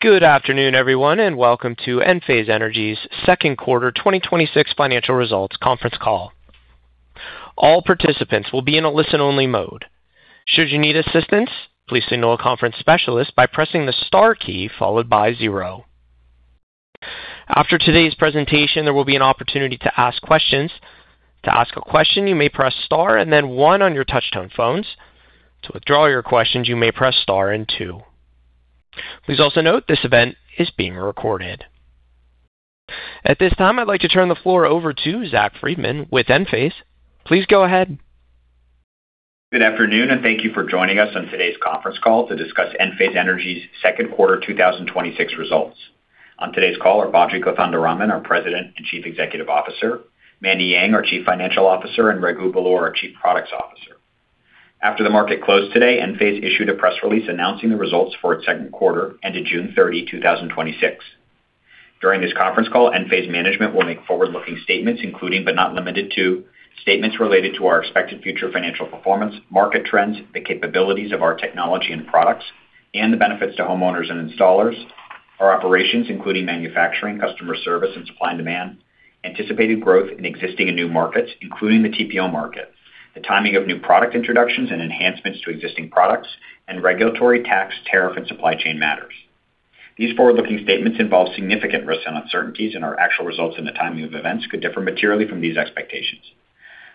Good afternoon, everyone, and welcome to Enphase Energy's second quarter 2026 financial results conference call. All participants will be in a listen-only mode. Should you need assistance, please signal a conference specialist by pressing the star key, followed by zero. After today's presentation, there will be an opportunity to ask questions. To ask a question, you may press star and then one on your touch-tone phones. To withdraw your questions, you may press star and two. Please also note this event is being recorded. At this time, I'd like to turn the floor over to Zach Freedman with Enphase. Please go ahead. Good afternoon, thank you for joining us on today's conference call to discuss Enphase Energy's second quarter 2026 results. On today's call are Badri Kothandaraman, our President and Chief Executive Officer, Mandy Yang, our Chief Financial Officer, and Raghu Belur, our Chief Products Officer. After the market closed today, Enphase issued a press release announcing the results for its second quarter ended June 30, 2026. During this conference call, Enphase management will make forward-looking statements including, but not limited to, statements related to our expected future financial performance, market trends, the capabilities of our technology and products, and the benefits to homeowners and installers, our operations, including manufacturing, customer service, and supply and demand, anticipated growth in existing and new markets, including the TPO market, the timing of new product introductions and enhancements to existing products, and regulatory tax, tariff, and supply chain matters. These forward-looking statements involve significant risks and uncertainties, our actual results and the timing of events could differ materially from these expectations.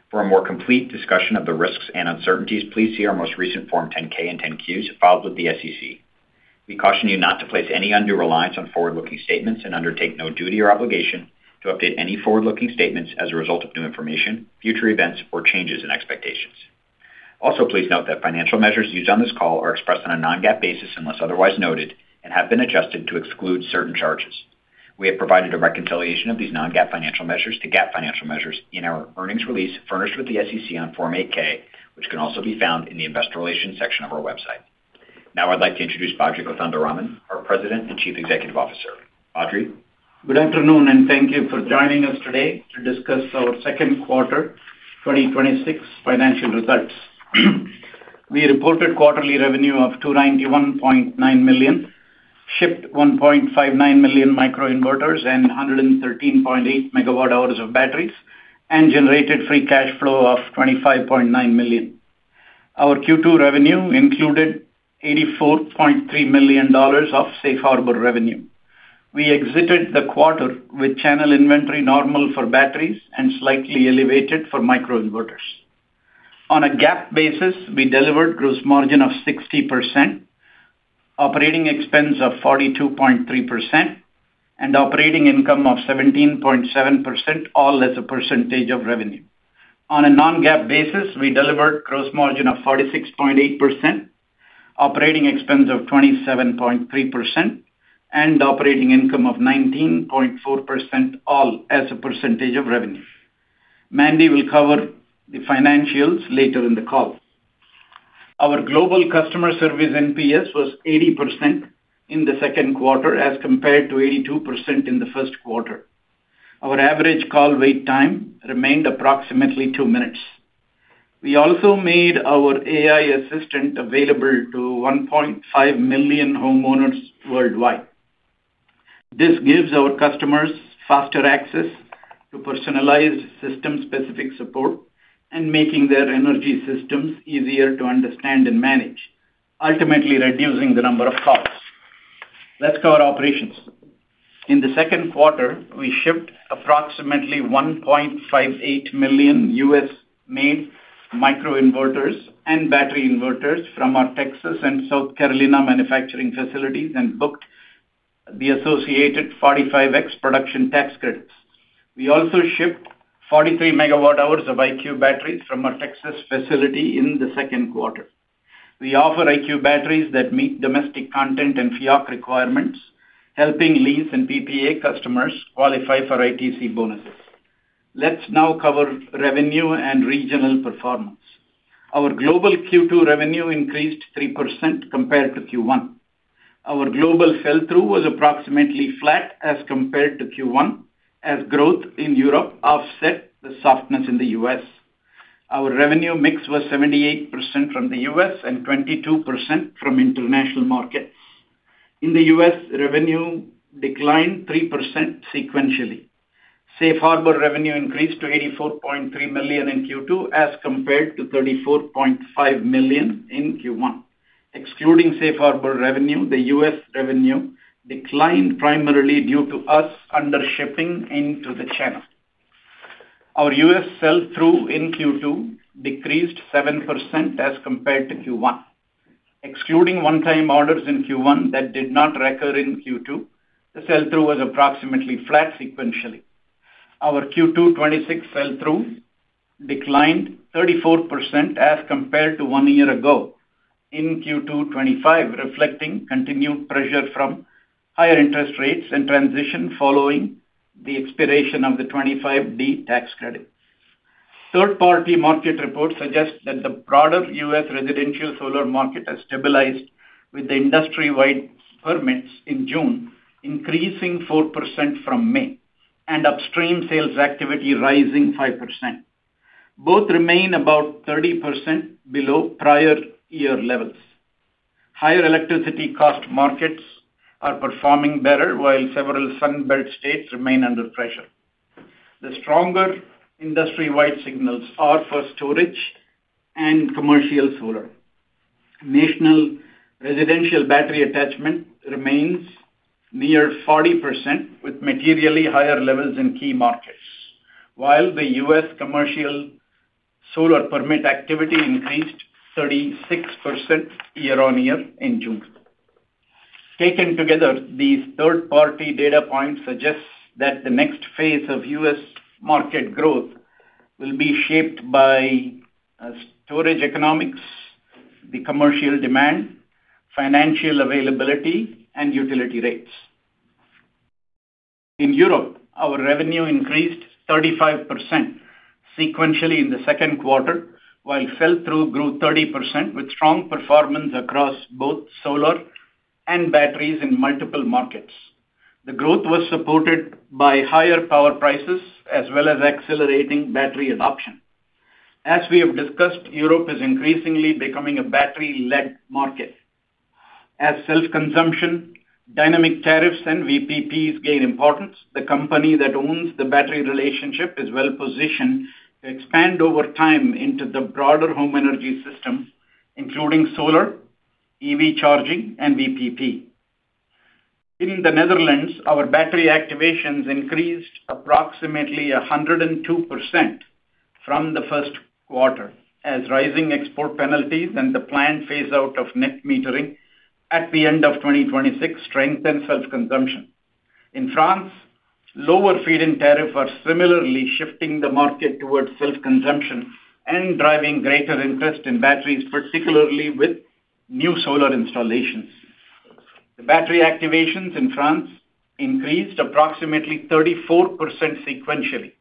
For a more complete discussion of the risks and uncertainties, please see our most recent Form 10-K and 10-Qs filed with the SEC. We caution you not to place any undue reliance on forward-looking statements and undertake no duty or obligation to update any forward-looking statements as a result of new information, future events, or changes in expectations. Also, please note that financial measures used on this call are expressed on a non-GAAP basis unless otherwise noted and have been adjusted to exclude certain charges. We have provided a reconciliation of these non-GAAP financial measures to GAAP financial measures in our earnings release furnished with the SEC on Form 8-K, which can also be found in the investor relations section of our website. Now I'd like to introduce Badri Kothandaraman, our President and Chief Executive Officer. Badri. Good afternoon, and thank you for joining us today to discuss our second quarter 2026 financial results. We reported quarterly revenue of $291.9 million, shipped 1.59 million microinverters and 113.8 megawatt hours of batteries, and generated free cash flow of $25.9 million. Our Q2 revenue included $84.3 million of safe harbor revenue. We exited the quarter with channel inventory normal for batteries and slightly elevated for microinverters. On a GAAP basis, we delivered gross margin of 60%, operating expense of 42.3%, and operating income of 17.7%, all as a percentage of revenue. On a non-GAAP basis, we delivered gross margin of 46.8%, operating expense of 27.3%, and operating income of 19.4%, all as a percentage of revenue. Mandy will cover the financials later in the call. Our global customer service NPS was 80% in the second quarter as compared to 82% in the first quarter. Our average call wait time remained approximately two minutes. We also made our Enphase Assistant available to 1.5 million homeowners worldwide. This gives our customers faster access to personalized system-specific support and making their energy systems easier to understand and manage, ultimately reducing the number of calls. Let's cover operations. In the second quarter, we shipped approximately 1.58 million U.S.-made microinverters and battery inverters from our Texas and South Carolina manufacturing facilities and booked the associated 45X production tax credits. We also shipped 43 megawatt hours of IQ Batteries from our Texas facility in the second quarter. We offer IQ Batteries that meet domestic content and FIOC requirements, helping lease and PPA customers qualify for ITC bonuses. Let's now cover revenue and regional performance. Our global Q2 revenue increased 3% compared to Q1. Our global sell-through was approximately flat as compared to Q1 as growth in Europe offset the softness in the U.S. Our revenue mix was 78% from the U.S. and 22% from international markets. In the U.S., revenue declined 3% sequentially. Safe harbor revenue increased to $84.3 million in Q2 as compared to $34.5 million in Q1. Excluding safe harbor revenue, the U.S. revenue declined primarily due to us ping into the channel. Our U.S. sell-through in Q2 decreased 7% as compared to Q1. Excluding one-time orders in Q1 that did not recur in Q2, the sell-through was approximately flat sequentially. Our Q2 2026 sell-through declined 34% as compared to one year ago in Q2 2025, reflecting continued pressure from higher interest rates and transition following the expiration of the 25D tax credit. Third-party market reports suggest that the broader U.S. residential solar market has stabilized with the industry-wide permits in June increasing 4% from May and upstream sales activity rising 5%. Both remain about 30% below prior year levels. Higher electricity cost markets are performing better while several Sun Belt states remain under pressure. The stronger industry-wide signals are for storage and commercial solar. National residential battery attachment remains near 40%, with materially higher levels in key markets. While the U.S. commercial solar permit activity increased 36% year-on-year in June. Taken together, these third-party data points suggest that the next phase of U.S. market growth will be shaped by storage economics, the commercial demand, financial availability, and utility rates. In Europe, our revenue increased 35% sequentially in the second quarter, while sell-through grew 30% with strong performance across both solar and batteries in multiple markets. The growth was supported by higher power prices as well as accelerating battery adoption. As we have discussed, Europe is increasingly becoming a battery-led market. As self-consumption, dynamic tariffs, and VPPs gain importance, the company that owns the battery relationship is well-positioned to expand over time into the broader home energy system, including solar, EV charging, and VPP. In the Netherlands, our battery activations increased approximately 102% from the first quarter, as rising export penalties and the planned phase-out of net metering at the end of 2026 strengthened self-consumption. In France, lower feed-in tariffs are similarly shifting the market towards self-consumption and driving greater interest in batteries, particularly with new solar installations. The battery activations in France increased approximately 34% sequentially.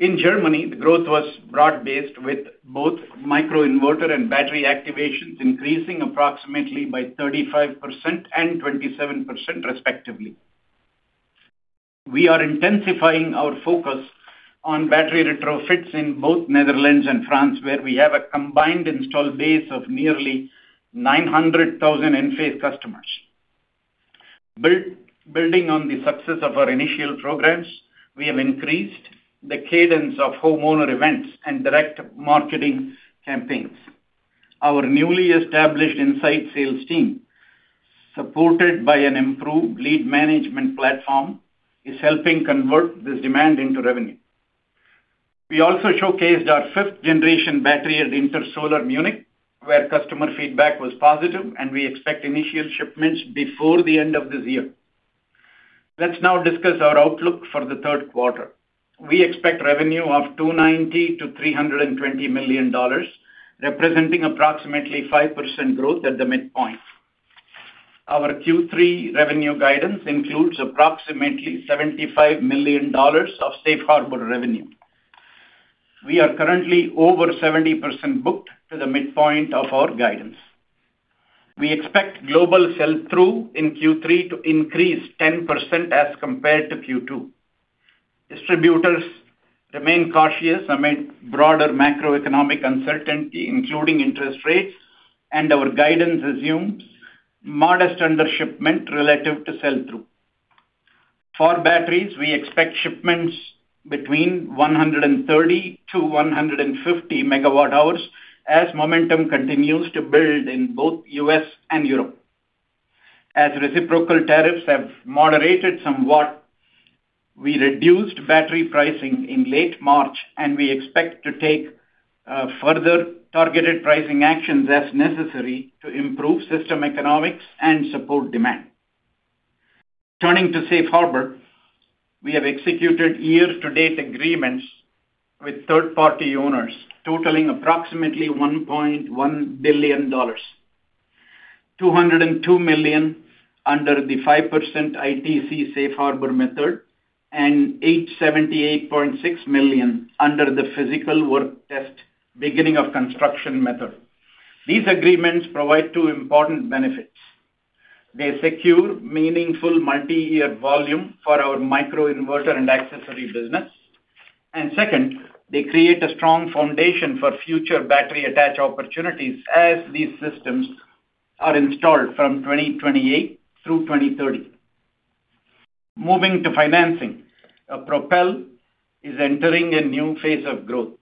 In Germany, the growth was broad-based, with both microinverter and battery activations increasing approximately by 35% and 27%, respectively. We are intensifying our focus on battery retrofits in both Netherlands and France, where we have a combined installed base of nearly 900,000 Enphase customers. Building on the success of our initial programs, we have increased the cadence of homeowner events and direct marketing campaigns. Our newly established insight sales team, supported by an improved lead management platform, is helping convert this demand into revenue. We also showcased our fifth-generation battery at Intersolar Munich, where customer feedback was positive, and we expect initial shipments before the end of this year. Let's now discuss our outlook for the third quarter. We expect revenue of $290 million to $320 million, representing approximately 5% growth at the midpoint. Our Q3 revenue guidance includes approximately $75 million of Safe Harbor revenue. We are currently over 70% booked to the midpoint of our guidance. We expect global sell-through in Q3 to increase 10% as compared to Q2. Distributors remain cautious amid broader macroeconomic uncertainty, including interest rates, and our guidance assumes modest undershipment relative to sell-through. For batteries, we expect shipments between 130 megawatt hours to 150 megawatt hours as momentum continues to build in both U.S. and Europe. As reciprocal tariffs have moderated somewhat, we reduced battery pricing in late March, and we expect to take further targeted pricing actions as necessary to improve system economics and support demand. Turning to Safe Harbor, we have executed year-to-date agreements with third-party owners totaling approximately $1.1 billion. $202 million under the 5% ITC Safe Harbor method and $878.6 million under the Physical Work Test beginning of construction method. These agreements provide two important benefits. They create a strong foundation for future battery attach opportunities as these systems are installed from 2028 through 2030. Moving to financing. Propel is entering a new phase of growth.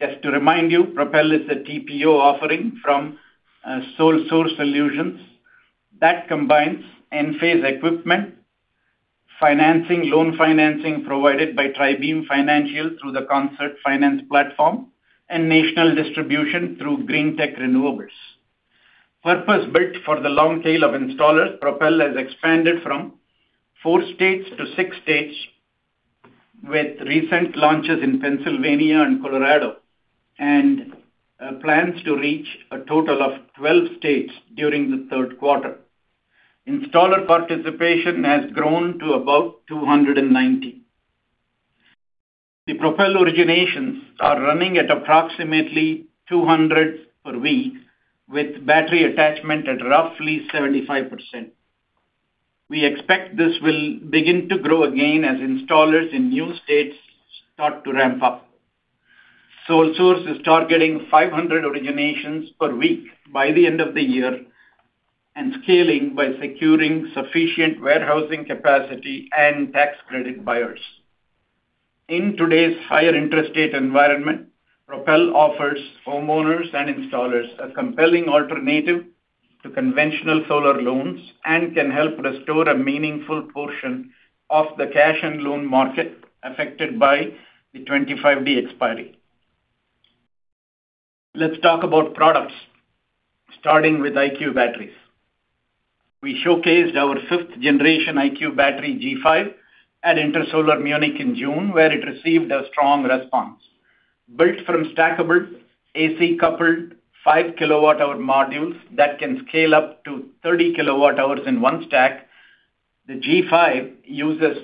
Just to remind you, Propel is a TPO offering from SolSource Solutions that combines Enphase equipment, financing, loan financing provided by TriBeam Financial through the Concert Finance platform, and national distribution through Greentech Renewables. Purpose-built for the long tail of installers, Propel has expanded from four states to six states with recent launches in Pennsylvania and Colorado, and plans to reach a total of 12 states during the third quarter. Installer participation has grown to about 290. The Propel originations are running at approximately 200 per week, with battery attachment at roughly 75%. We expect this will begin to grow again as installers in new states start to ramp up. SolSource is targeting 500 originations per week by the end of the year and scaling by securing sufficient warehousing capacity and tax credit buyers. In today's higher interest rate environment, Propel offers homeowners and installers a compelling alternative to conventional solar loans and can help restore a meaningful portion of the cash and loan market affected by the 25D expiry. Let's talk about products, starting with IQ Batteries. We showcased our fifth-generation IQ Battery G5 at Intersolar Munich in June, where it received a strong response. Built from stackable AC-coupled 5 kilowatt-hour modules that can scale up to 30 kilowatt-hours in one stack, the G5 uses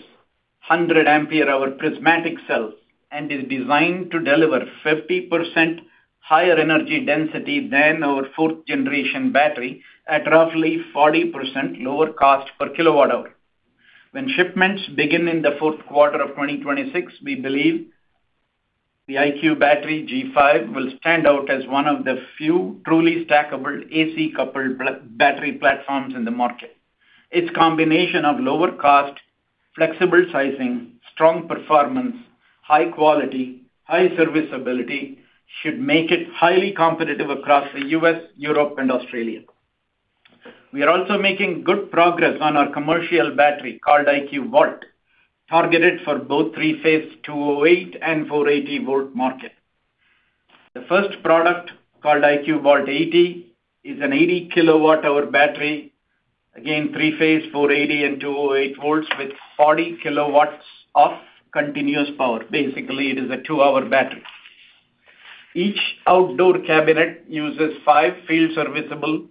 100 ampere-hour prismatic cells and is designed to deliver 50% higher energy density than our fourth-generation battery at roughly 40% lower cost per kilowatt-hour. When shipments begin in the fourth quarter of 2026, we believe the IQ Battery G5 will stand out as one of the few truly stackable AC-coupled battery platforms in the market. Its combination of lower cost, flexible sizing, strong performance, high quality, high serviceability should make it highly competitive across the U.S., Europe, and Australia. We are also making good progress on our commercial battery called IQ Vault, targeted for both three-phase 208 and 480 volt market. The first product, called IQ Vault 80, is an 80 kilowatt-hour battery, again, three-phase, 480 and 208 volts with 40 kilowatts of continuous power. Basically, it is a 2-hour battery. Each outdoor cabinet uses 5 field-serviceable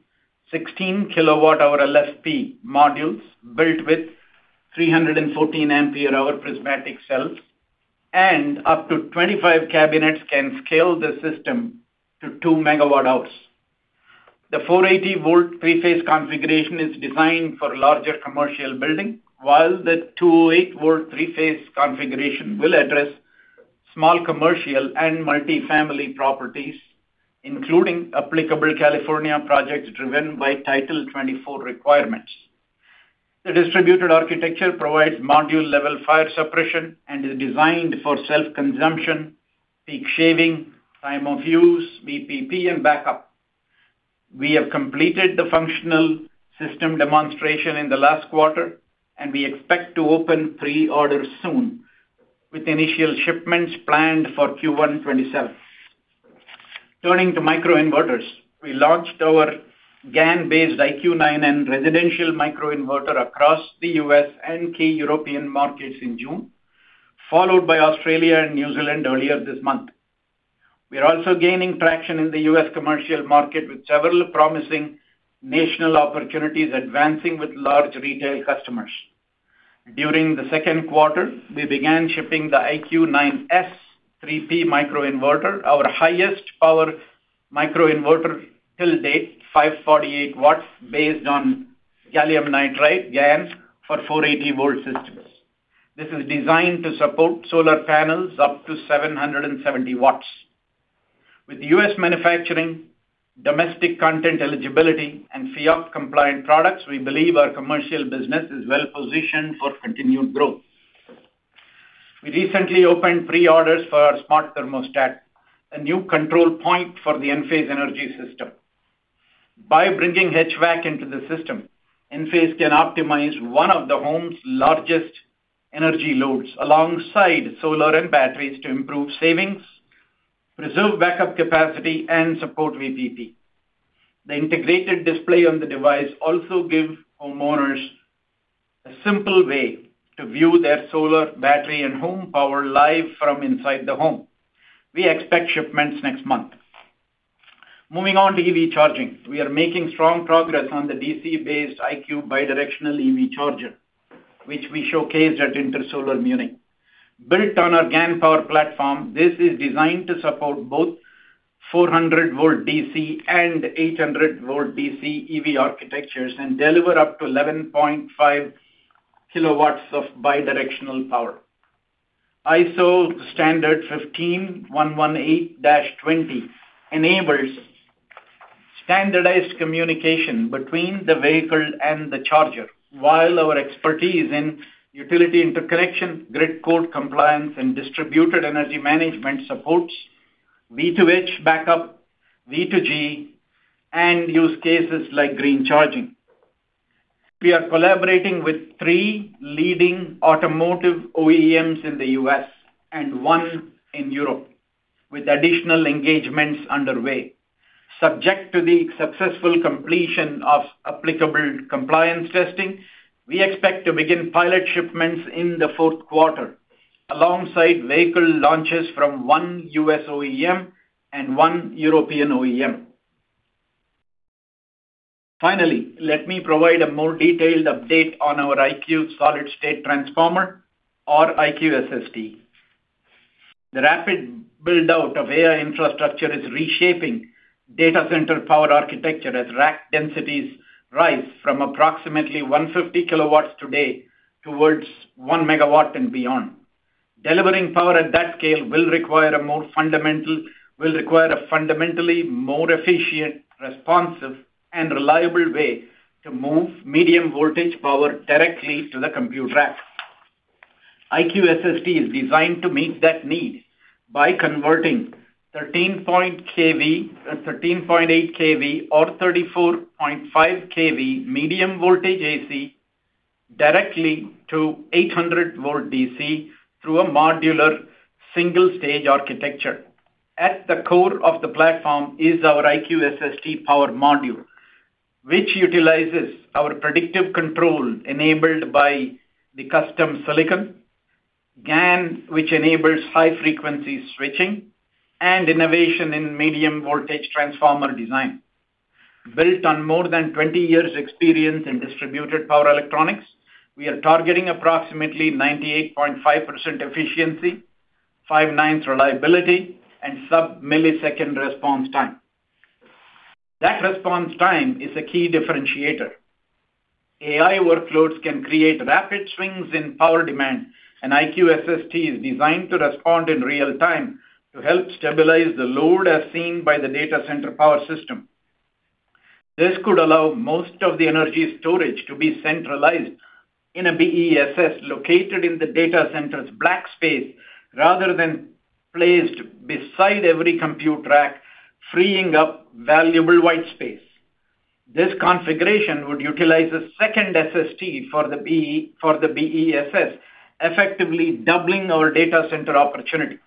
16 kilowatt-hour LFP modules built with 314 ampere-hour prismatic cells, and up to 25 cabinets can scale the system to 2 megawatt-hours. The 480-volt three-phase configuration is designed for larger commercial building, while the 208-volt three-phase configuration will address small commercial and multifamily properties, including applicable California projects driven by Title 24 requirements. The distributed architecture provides module-level fire suppression and is designed for self-consumption, peak shaving, time of use, VPP, and backup. We have completed the functional system demonstration in the last quarter, and we expect to open pre-orders soon, with initial shipments planned for Q1 2027. Turning to microinverters. We launched our GaN-based IQ9N residential microinverter across the U.S. and key European markets in June, followed by Australia and New Zealand earlier this month. We are also gaining traction in the U.S. commercial market with several promising national opportunities advancing with large retail customers. During the second quarter, we began shipping the IQ9S-3P microinverter, our highest power microinverter to date, 548 watts based on gallium nitride, GaN, for 480-volt systems. This is designed to support solar panels up to 770 watts. With U.S. manufacturing, domestic content eligibility, and FEOC-compliant products, we believe our commercial business is well-positioned for continued growth. We recently opened pre-orders for our smart thermostat, a new control point for the Enphase Energy System. By bringing HVAC into the system, Enphase can optimize one of the home's largest energy loads alongside solar and batteries to improve savings, preserve backup capacity, and support VPP. The integrated display on the device also give homeowners a simple way to view their solar battery and home power live from inside the home. We expect shipments next month. Moving on to EV charging. We are making strong progress on the DC-based IQ Bidirectional EV Charger, which we showcased at Intersolar Munich. Built on our GaN power platform, this is designed to support both 400-volt DC and 800-volt DC EV architectures and deliver up to 11.5 kilowatts of bidirectional power. ISO 15118-20 enables standardized communication between the vehicle and the charger, while our expertise in utility interconnection, grid code compliance, and distributed energy management supports V2H backup, V2G, and use cases like green charging. We are collaborating with three leading automotive OEMs in the U.S. and one in Europe, with additional engagements underway. Subject to the successful completion of applicable compliance testing, we expect to begin pilot shipments in the fourth quarter, alongside vehicle launches from one U.S. OEM and one European OEM. Finally, let me provide a more detailed update on our IQ Solid-State Transformer or IQ SST. The rapid build-out of AI infrastructure is reshaping data center power architecture as rack densities rise from approximately 150 kilowatts today towards one megawatt and beyond. Delivering power at that scale will require a fundamentally more efficient, responsive, and reliable way to move medium voltage power directly to the compute rack. IQ SST is designed to meet that need by converting 13.8 kV or 34.5 kV medium voltage AC directly to 800-volt DC through a modular, single-stage architecture. At the core of the platform is our IQ SST power module, which utilizes our predictive control enabled by the custom silicon, GaN, which enables high-frequency switching, and innovation in medium voltage transformer design. Built on more than 20 years' experience in distributed power electronics, we are targeting approximately 98.5% efficiency, five nines reliability, and sub-millisecond response time. That response time is a key differentiator. AI workloads can create rapid swings in power demand. IQ SST is designed to respond in real time to help stabilize the load as seen by the data center power system. This could allow most of the energy storage to be centralized in a BESS located in the data center's black space rather than placed beside every compute rack, freeing up valuable white space. This configuration would utilize a second SST for the BESS, effectively doubling our data center opportunity.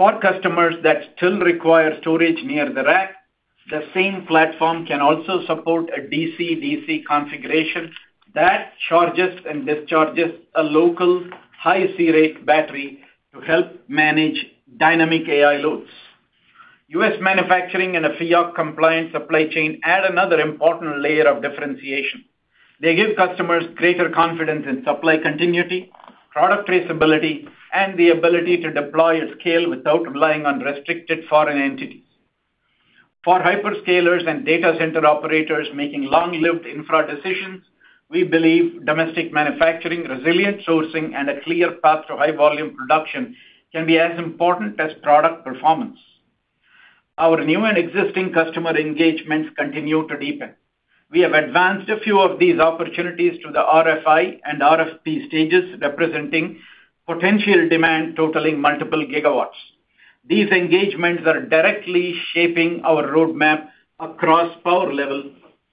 For customers that still require storage near the rack, the same platform can also support a DC-DC configuration that charges and discharges a local high C-rate battery to help manage dynamic AI loads. U.S. manufacturing and a FEOC-compliant supply chain add another important layer of differentiation. They give customers greater confidence in supply continuity, product traceability, and the ability to deploy at scale without relying on restricted foreign entities. For hyperscalers and data center operators making long-lived infra decisions, we believe domestic manufacturing, resilient sourcing, and a clear path to high volume production can be as important as product performance. Our new and existing customer engagements continue to deepen. We have advanced a few of these opportunities to the RFI and RFP stages, representing potential demand totaling multiple gigawatts. These engagements are directly shaping our roadmap across power level,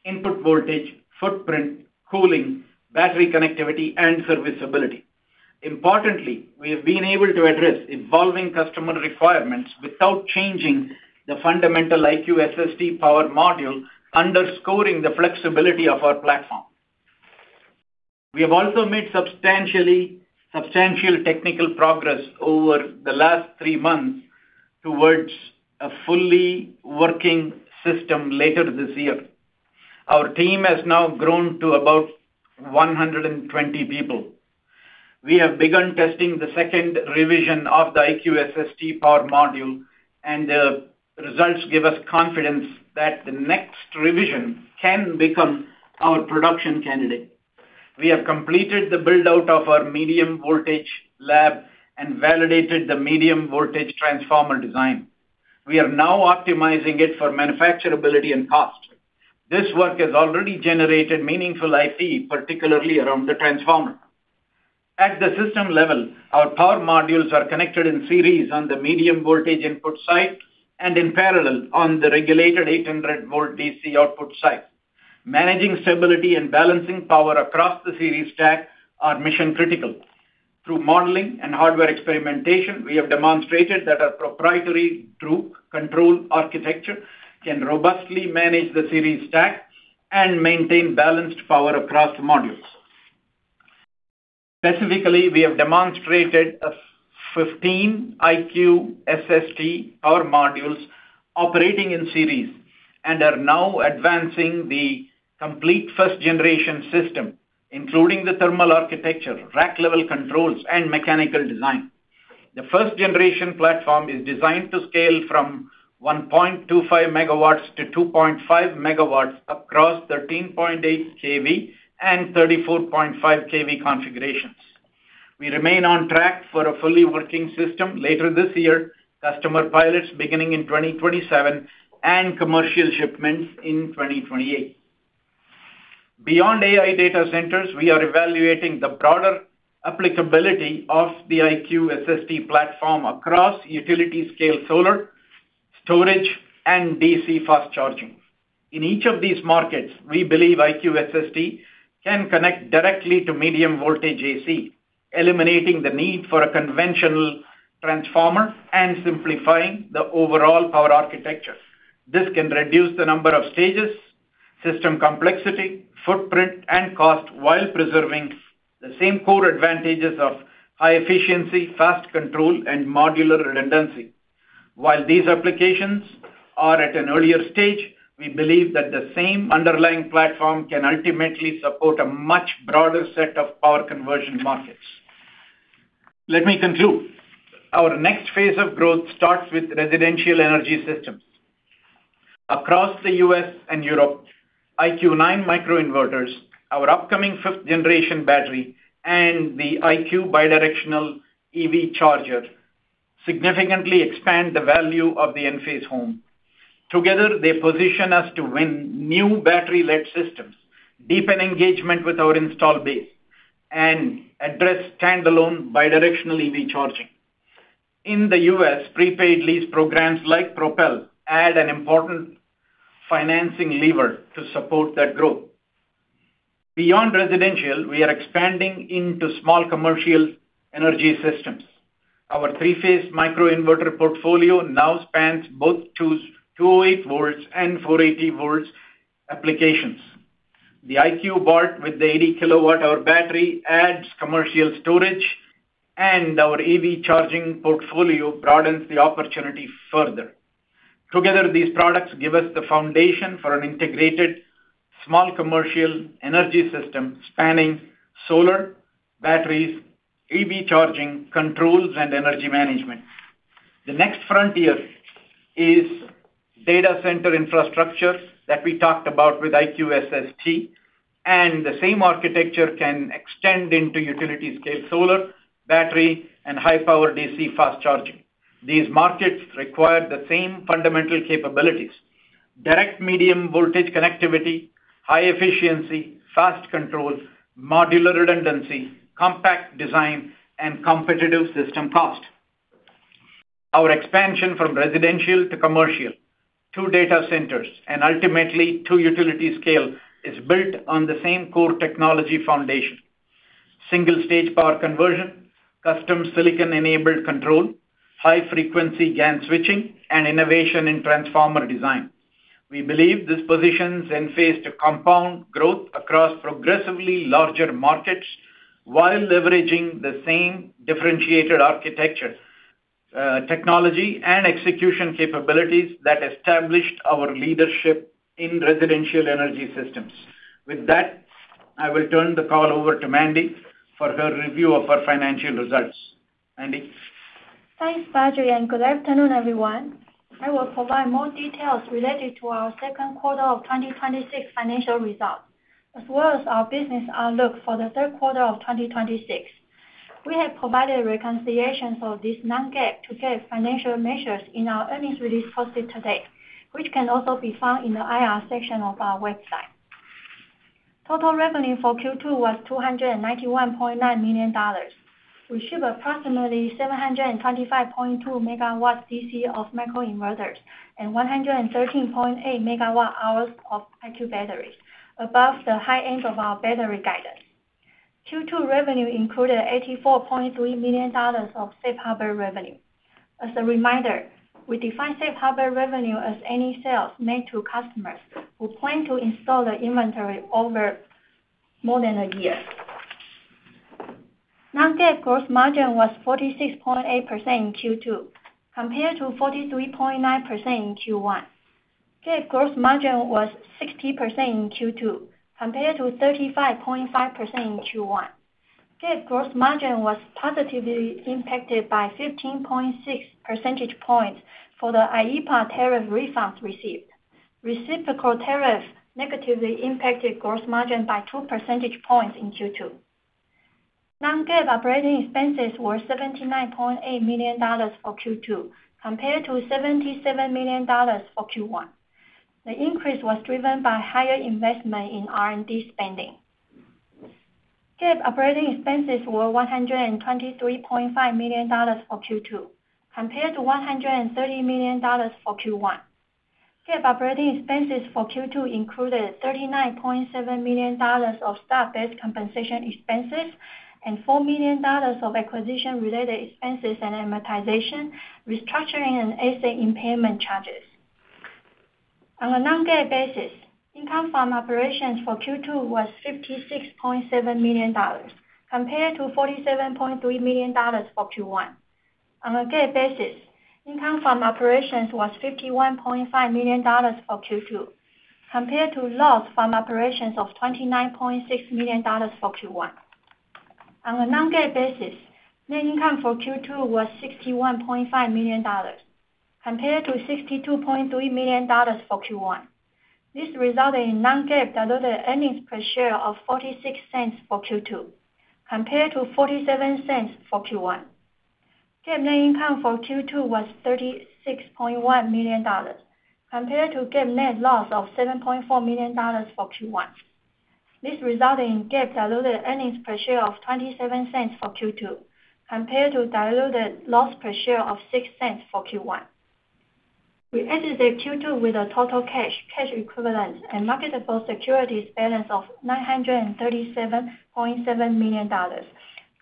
input voltage, footprint, cooling, battery connectivity, and serviceability. Importantly, we have been able to address evolving customer requirements without changing the fundamental IQ SST power module, underscoring the flexibility of our platform. We have also made substantial technical progress over the last three months towards a fully working system later this year. Our team has now grown to about 120 people. We have begun testing the second revision of the IQSSD power module. The results give us confidence that the next revision can become our production candidate. We have completed the build-out of our medium voltage lab and validated the medium voltage transformer design. We are now optimizing it for manufacturability and cost. This work has already generated meaningful IP, particularly around the transformer. At the system level, our power modules are connected in series on the medium voltage input side, and in parallel on the regulated 800-volt DC output side. Managing stability and balancing power across the series stack are mission critical. Through modeling and hardware experimentation, we have demonstrated that our proprietary droop control architecture can robustly manage the series stack and maintain balanced power across modules. Specifically, we have demonstrated a 15 IQSSD power modules operating in series and are now advancing the complete first-generation system, including the thermal architecture, rack level controls, and mechanical design. The first-generation platform is designed to scale from 1.25 megawatts to 2.5 megawatts across 13.8 kV and 34.5 kV configurations. We remain on track for a fully working system later this year, customer pilots beginning in 2027, and commercial shipments in 2028. Beyond AI data centers, we are evaluating the broader applicability of the IQSSD platform across utility-scale solar, storage, and DC fast charging. In each of these markets, we believe IQSSD can connect directly to medium voltage AC, eliminating the need for a conventional transformer and simplifying the overall power architecture. This can reduce the number of stages, system complexity, footprint, and cost while preserving the same core advantages of high efficiency, fast control, and modular redundancy. While these applications are at an earlier stage, we believe that the same underlying platform can ultimately support a much broader set of power conversion markets. Let me conclude. Our next phase of growth starts with residential energy systems. Across the U.S. and Europe, IQ 9 microinverters, our upcoming fifth-generation battery, and the IQ Bidirectional EV Charger significantly expand the value of the Enphase home. Together, they position us to win new battery-led systems, deepen engagement with our installed base, and address standalone bidirectional EV charging. In the U.S., prepaid lease programs like Propel add an important financing lever to support that growth. Beyond residential, we are expanding into small commercial energy systems. Our three-phase microinverter portfolio now spans both 208 volts and 480 volts applications. The IQ Bart with the 80 kWh battery adds commercial storage, and our EV charging portfolio broadens the opportunity further. Together, these products give us the foundation for an integrated small commercial energy system spanning solar, batteries, EV charging, controls, and energy management. The next frontier is data center infrastructure that we talked about with IQ SST. The same architecture can extend into utility-scale solar, battery, and high power DC fast charging. These markets require the same fundamental capabilities: direct medium voltage connectivity, high efficiency, fast controls, modular redundancy, compact design, and competitive system cost. Our expansion from residential to commercial to data centers and ultimately to utility scale is built on the same core technology foundation. Single-stage power conversion, custom silicon-enabled control, high frequency GaN switching, and innovation in transformer design. We believe this positions Enphase to compound growth across progressively larger markets while leveraging the same differentiated architecture, technology, and execution capabilities that established our leadership in residential energy systems. With that, I will turn the call over to Mandy for her review of our financial results. Mandy? Thanks, Badri, good afternoon, everyone. I will provide more details related to our second quarter of 2026 financial results, as well as our business outlook for the third quarter of 2026. We have provided reconciliations of these non-GAAP to GAAP financial measures in our earnings release posted today, which can also be found in the IR section of our website. Total revenue for Q2 was $291.9 million. We ship approximately 725.2 MW DC of microinverters and 113.8 MWh of IQ Batteries, above the high end of our battery guidance. Q2 revenue included $84.3 million of safe harbor revenue. As a reminder, we define safe harbor revenue as any sales made to customers who plan to install the inventory over more than a year. Non-GAAP gross margin was 46.8% in Q2, compared to 43.9% in Q1. GAAP gross margin was 60% in Q2, compared to 35.5% in Q1. GAAP gross margin was positively impacted by 15.6 percentage points for the IEEPA tariff refunds received. Reciprocal tariff negatively impacted gross margin by two percentage points in Q2. Non-GAAP operating expenses were $79.8 million for Q2, compared to $77 million for Q1. The increase was driven by higher investment in R&D spending. GAAP operating expenses were $123.5 million for Q2, compared to $130 million for Q1. GAAP operating expenses for Q2 included $39.7 million of stock-based compensation expenses and $4 million of acquisition-related expenses and amortization, restructuring, and asset impairment charges. On a non-GAAP basis, income from operations for Q2 was $56.7 million, compared to $47.3 million for Q1. On a GAAP basis, income from operations was $51.5 million for Q2, compared to loss from operations of $29.6 million for Q1. On a non-GAAP basis, net income for Q2 was $61.5 million, compared to $62.3 million for Q1. This resulted in non-GAAP diluted earnings per share of $0.46 for Q2, compared to $0.47 for Q1. GAAP net income for Q2 was $36.1 million, compared to GAAP net loss of $7.4 million for Q1. This resulted in GAAP diluted earnings per share of $0.27 for Q2, compared to diluted loss per share of $0.06 for Q1. We exited Q2 with a total cash equivalent, and marketable securities balance of $937.7 million,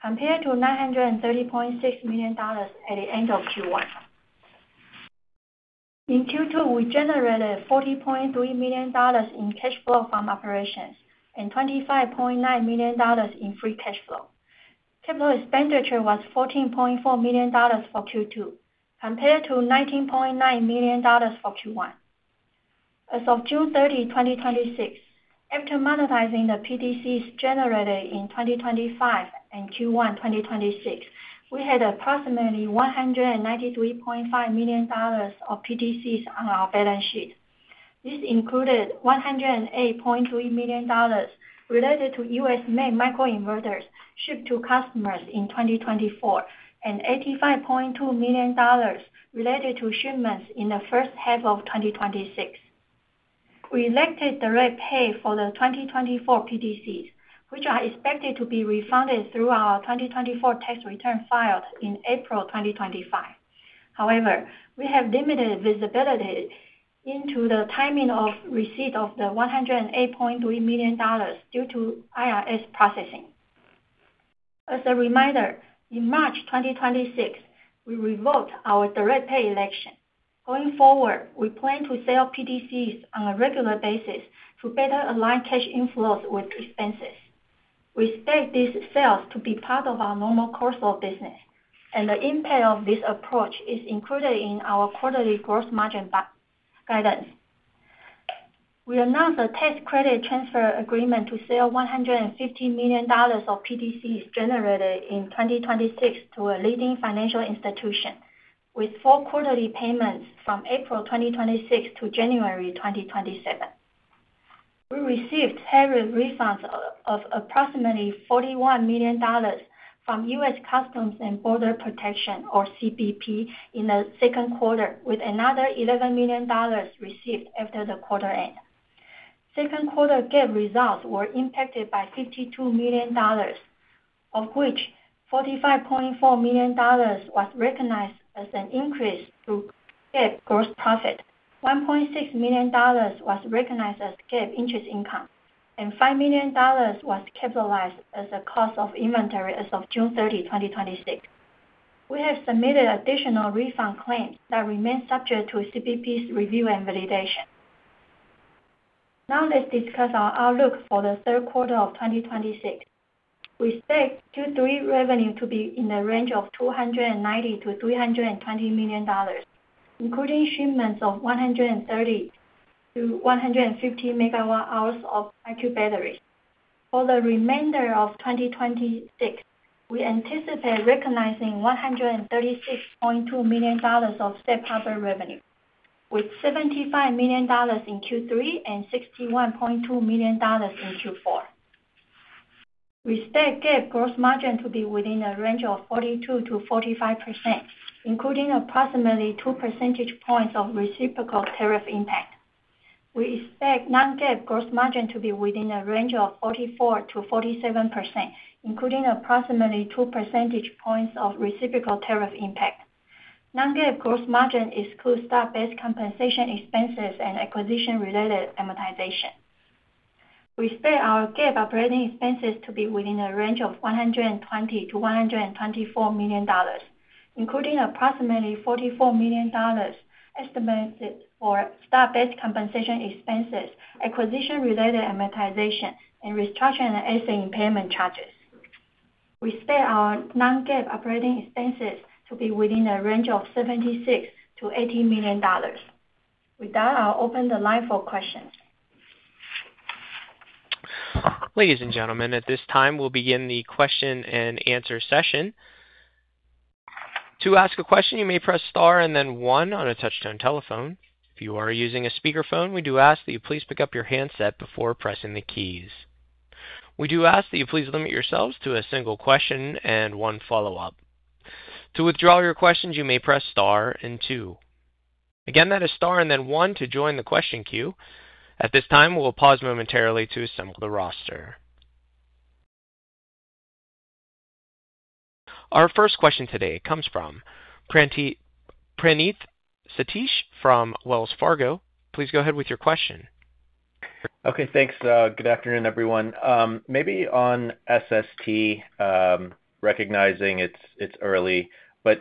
compared to $930.6 million at the end of Q1. In Q2, we generated $40.3 million in cash flow from operations and $25.9 million in free cash flow. Capital expenditure was $14.4 million for Q2, compared to $19.9 million for Q1. As of June 30, 2026, after monetizing the PTCs generated in 2025 and Q1 2026, we had approximately $193.5 million of PTCs on our balance sheet. This included $108.3 million related to U.S.-made microinverters shipped to customers in 2024, and $85.2 million related to shipments in the first half of 2026. We elected direct pay for the 2024 PTCs, which are expected to be refunded through our 2024 tax return filed in April 2025. However, we have limited visibility into the timing of receipt of the $108.3 million due to IRS processing. As a reminder, in March 2026, we revoked our direct pay election. Going forward, we plan to sell PTCs on a regular basis to better align cash inflows with expenses. We expect these sales to be part of our normal course of business, and the impact of this approach is included in our quarterly gross margin guidance. We announced a tax credit transfer agreement to sell $150 million of PTCs generated in 2026 to a leading financial institution, with four quarterly payments from April 2026 to January 2027. We received tariff refunds of approximately $41 million from U.S. Customs and Border Protection, or CBP, in the second quarter, with another $11 million received after the quarter end. Second quarter GAAP results were impacted by $52 million, of which $45.4 million was recognized as an increase to GAAP gross profit. $1.6 million was recognized as GAAP interest income, and $5 million was capitalized as a cost of inventory as of June 30, 2026. We have submitted additional refund claims that remain subject to CBP's review and validation. Now let's discuss our outlook for the third quarter of 2026. We expect Q3 revenue to be in the range of $290 million-$320 million, including shipments of 130-150 megawatt hours of IQ Batteries. For the remainder of 2026, we anticipate recognizing $136.2 million of step-up revenue, with $75 million in Q3 and $61.2 million in Q4. We expect GAAP gross margin to be within a range of 42%-45%, including approximately two percentage points of reciprocal tariff impact. We expect non-GAAP gross margin to be within a range of 44%-47%, including approximately two percentage points of reciprocal tariff impact. Non-GAAP gross margin excludes stock-based compensation expenses and acquisition-related amortization. We expect our GAAP operating expenses to be within a range of $120 million-$124 million, including approximately $44 million estimated for stock-based compensation expenses, acquisition-related amortization, and restructuring and asset impairment charges. We expect our non-GAAP operating expenses to be within a range of $76 million-$80 million. With that, I'll open the line for questions. Ladies and gentlemen, at this time, we'll begin the question and answer session. To ask a question, you may press star and then one on a touch-tone telephone. If you are using a speakerphone, we do ask that you please pick up your handset before pressing the keys. We do ask that you please limit yourselves to a single question and one follow-up. To withdraw your questions, you may press star and two. Again, that is star and then one to join the question queue. At this time, we'll pause momentarily to assemble the roster. Our first question today comes from Praneeth Satish from Wells Fargo. Please go ahead with your question. Okay, thanks. Good afternoon, everyone. Maybe on SST, recognizing it's early,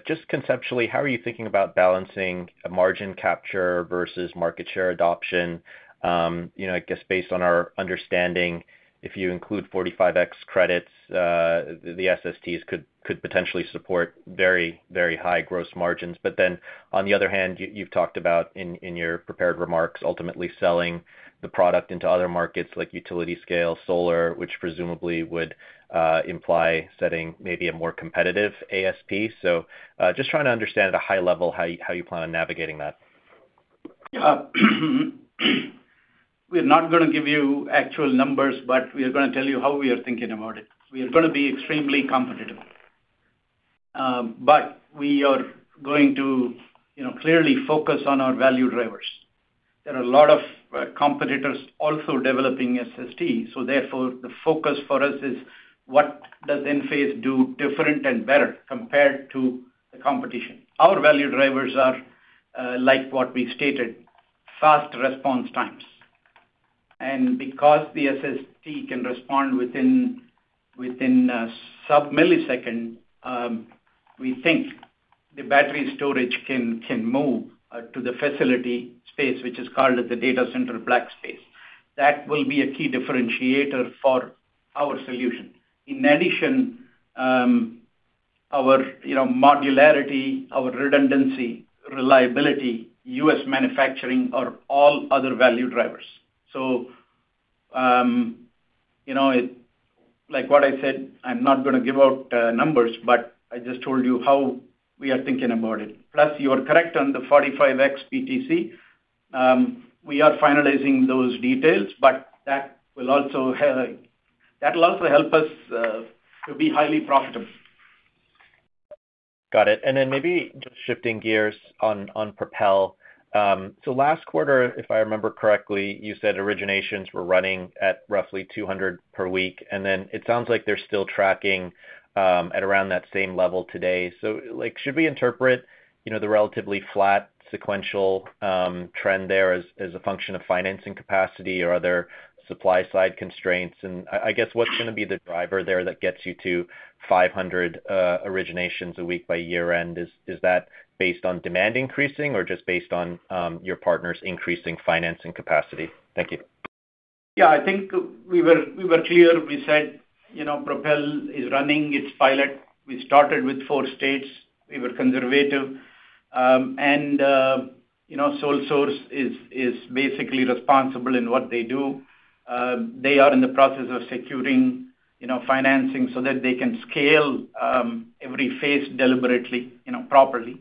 just conceptually, how are you thinking about balancing a margin capture versus market share adoption? I guess based on our understanding, if you include 45X credits, the SSTs could potentially support very, very high gross margins. On the other hand, you've talked about, in your prepared remarks, ultimately selling the product into other markets like utility scale, solar, which presumably would imply setting maybe a more competitive ASP. Just trying to understand at a high level how you plan on navigating that. We are not going to give you actual numbers, we are going to tell you how we are thinking about it. We are going to be extremely competitive, we are going to clearly focus on our value drivers. There are a lot of competitors also developing SST, therefore, the focus for us is what does Enphase do different and better compared to the competition? Our value drivers are like what we stated, fast response times. Because the SST can respond within sub-millisecond, we think the battery storage can move to the facility space, which is called the data center black space. That will be a key differentiator for our solution. In addition, our modularity, our redundancy, reliability, U.S. manufacturing are all other value drivers. Like what I said, I'm not going to give out numbers, I just told you how we are thinking about it. Plus, you are correct on the 45X PTC. We are finalizing those details, that'll also help us to be highly profitable. Got it. Maybe just shifting gears on Propel. Last quarter, if I remember correctly, you said originations were running at roughly 200 per week. It sounds like they're still tracking at around that same level today. Should we interpret the relatively flat sequential trend there as a function of financing capacity or are there supply-side constraints? I guess what's going to be the driver there that gets you to 500 originations a week by year end? Is that based on demand increasing or just based on your partners increasing financing capacity? Thank you. Yeah, I think we were clear. We said Propel is running its pilot. We started with four states. We were conservative. SolSource is basically responsible in what they do. They are in the process of securing financing so that they can scale every phase deliberately, properly.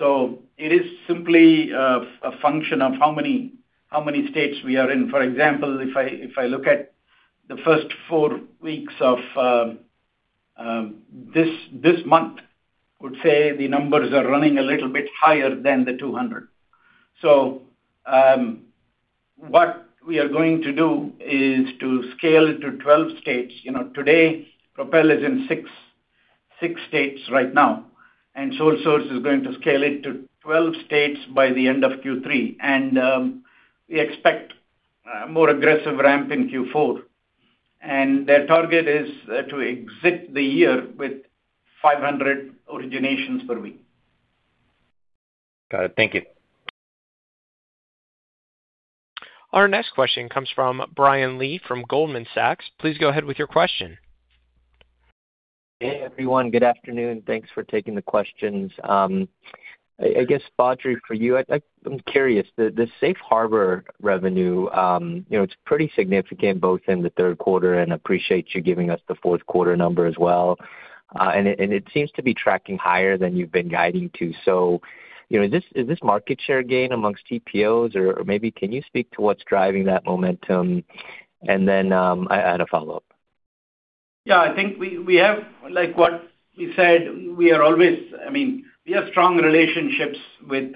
It is simply a function of how many states we are in. For example, if I look at the first four weeks of this month, would say the numbers are running a little bit higher than the 200. What we are going to do is to scale it to 12 states. Today, Propel is in six states right now. SolSource is going to scale it to 12 states by the end of Q3. We expect more aggressive ramp in Q4. Their target is to exit the year with 500 originations per week. Got it. Thank you. Our next question comes from Brian Lee from Goldman Sachs. Please go ahead with your question. Hey, everyone. Good afternoon. Thanks for taking the questions. I guess, Badri, for you, I'm curious. The safe harbor revenue, it's pretty significant both in the third quarter, appreciate you giving us the fourth quarter number as well. It seems to be tracking higher than you've been guiding to. Is this market share gain amongst TPOs? Maybe can you speak to what's driving that momentum? Then, I had a follow-up. Yeah, I think we have, like what you said, we have strong relationships with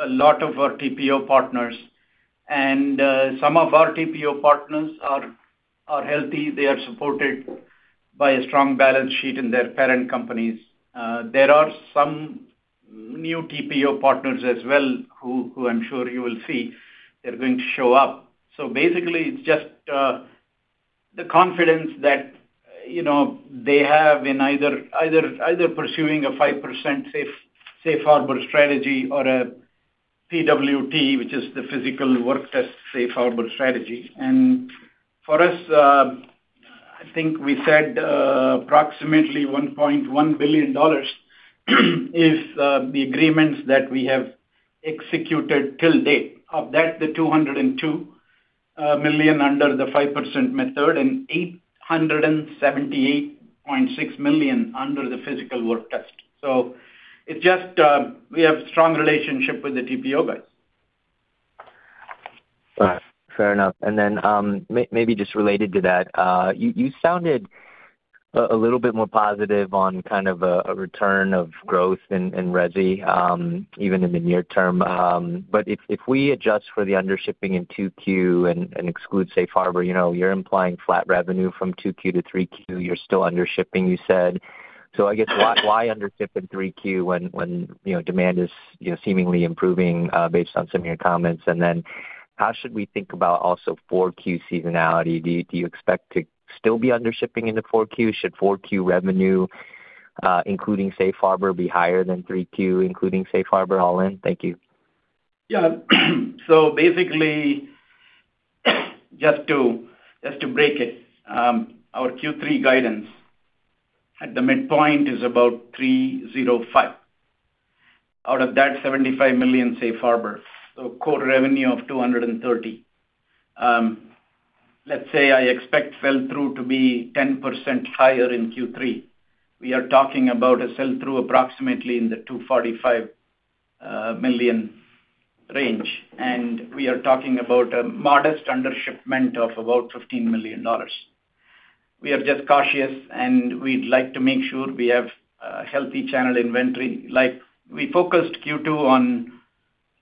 a lot of our TPO partners. Some of our TPO partners are healthy. They are supported by a strong balance sheet in their parent companies. There are some new TPO partners as well who I'm sure you will see. They're going to show up. Basically, it's just the confidence that they have in either pursuing a 5% safe harbor strategy or a PWT, which is the Physical Work Test safe harbor strategy. For us, I think we said approximately $1.1 billion is the agreements that we have executed till date. Of that, the $202 million under the 5% method, $878.6 million under the Physical Work Test. It's just we have strong relationship with the TPO guys. All right. Fair enough. Then, maybe just related to that. You sounded a little bit more positive on kind of a return of growth in resi, even in the near term. If we adjust for the undershipping in 2Q and exclude safe harbor, you're implying flat revenue from 2Q to 3Q. You're still undershipping, you said. I guess why undership in 3Q when demand is seemingly improving, based on some of your comments? Then how should we think about also 4Q seasonality? Do you expect to still be undershipping into 4Q? Should 4Q revenue, including safe harbor, be higher than 3Q including safe harbor all in? Thank you. Yeah. Basically, just to break it, our Q3 guidance at the midpoint is about $305. Out of that, $75 million safe harbor. Core revenue of $230. Let's say I expect sell-through to be 10% higher in Q3. We are talking about a sell-through approximately in the $245 million range, we are talking about a modest undershipment of about $15 million. We are just cautious, we'd like to make sure we have a healthy channel inventory. We focused Q2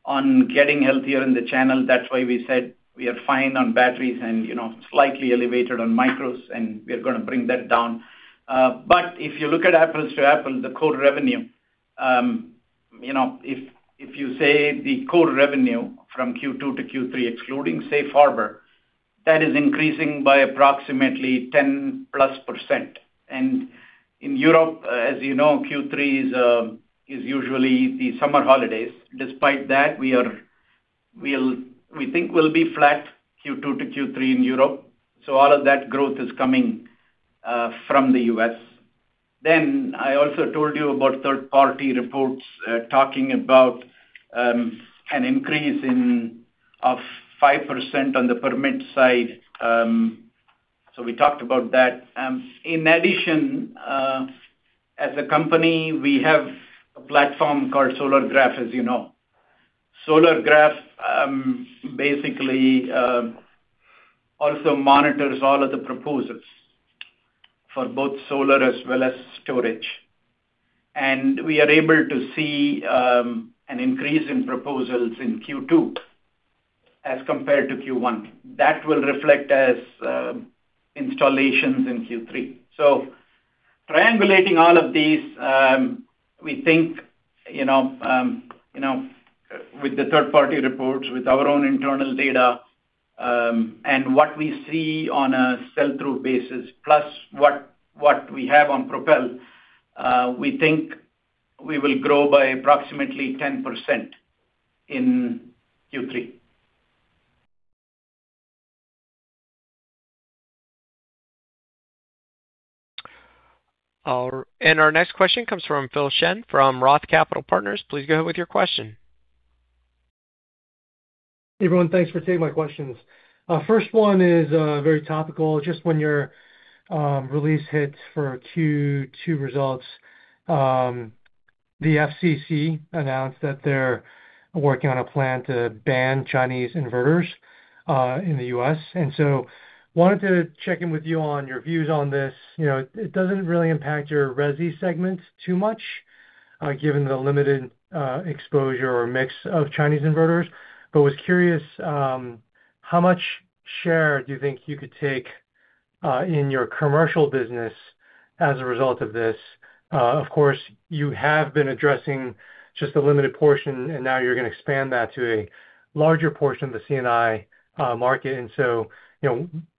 on getting healthier in the channel. That's why we said we are fine on batteries and slightly elevated on micros, we are going to bring that down. If you look at apples to apples, if you say the core revenue from Q2 to Q3, excluding Safe Harbor, that is increasing by approximately 10+%. In Europe, as you know, Q3 is usually the summer holidays. Despite that, we think we'll be flat Q2 to Q3 in Europe. All of that growth is coming from the U.S. I also told you about third-party reports, talking about an increase of 5% on the permit side. We talked about that. In addition, as a company, we have a platform called SolarGraph, as you know. SolarGraph basically also monitors all of the proposals for both solar as well as storage. We are able to see an increase in proposals in Q2 as compared to Q1. That will reflect as installations in Q3. Triangulating all of these, with the third-party reports, with our own internal data, and what we see on a sell-through basis, plus what we have on Propel, we think we will grow by approximately 10% in Q3. Our next question comes from Phil Shen from ROTH Capital Partners. Please go ahead with your question. Hey, everyone. Thanks for taking my questions. First one is very topical. Just when your release hit for Q2 results, the FCC announced that they're working on a plan to ban Chinese inverters in the U.S. Wanted to check in with you on your views on this. It doesn't really impact your resi segments too much, given the limited exposure or mix of Chinese inverters. Was curious, how much share do you think you could take in your commercial business as a result of this? Of course, you have been addressing just a limited portion, and now you're going to expand that to a larger portion of the C&I market.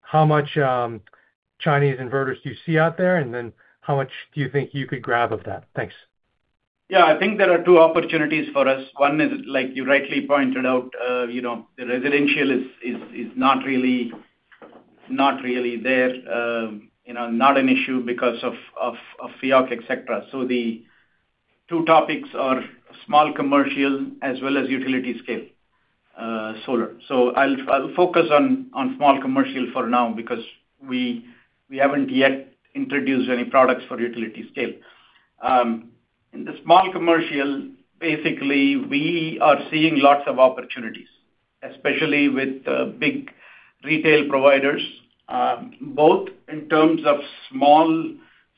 How much Chinese inverters do you see out there? How much do you think you could grab of that? Thanks. I think there are two opportunities for us. One is, like you rightly pointed out, the residential is not really there, not an issue because of FEOC, et cetera. The two topics are small commercial as well as utility scale solar. I'll focus on small commercial for now because we haven't yet introduced any products for utility scale. In the small commercial, basically, we are seeing lots of opportunities, especially with big retail providers, both in terms of small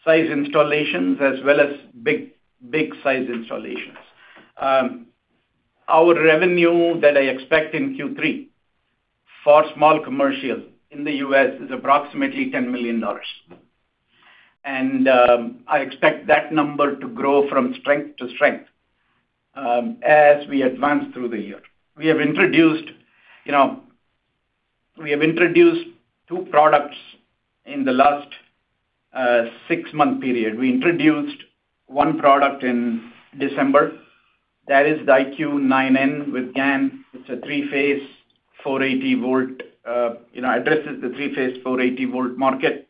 size installations as well as big size installations. Our revenue that I expect in Q3 for small commercial in the U.S. is approximately $10 million. I expect that number to grow from strength to strength as we advance through the year. We have introduced two products in the last six-month period. We introduced one product in December. That is the IQ9N with GaN. It addresses the three-phase, 480 volt market.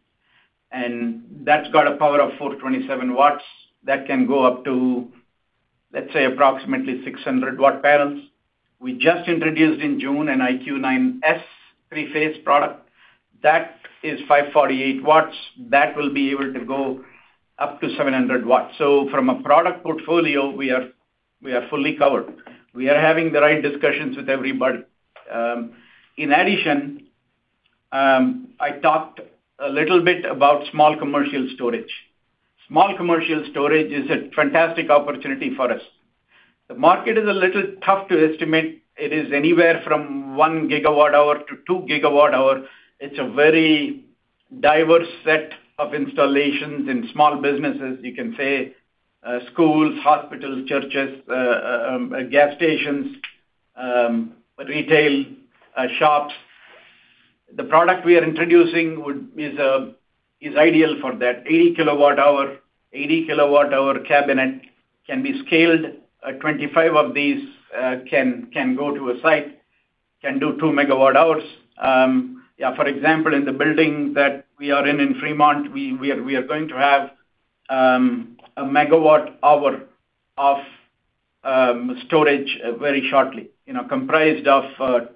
That's got a power of 427 watts. That can go up to, let's say, approximately 600 watt panels. We just introduced in June an IQ9S-3P product. That is 548 watts. That will be able to go up to 700 watts. From a product portfolio, we are fully covered. We are having the right discussions with everybody. In addition, I talked a little bit about small commercial storage. Small commercial storage is a fantastic opportunity for us. The market is a little tough to estimate. It is anywhere from one gigawatt hour to two gigawatt hour. It's a very diverse set of installations in small businesses. You can say schools, hospitals, churches, gas stations, retail shops. The product we are introducing is ideal for that. 80 kilowatt hour cabinet can be scaled. 25 of these can go to a site, can do two megawatt hours. For example, in the building that we are in in Fremont, we are going to have a megawatt hour of storage very shortly, comprised of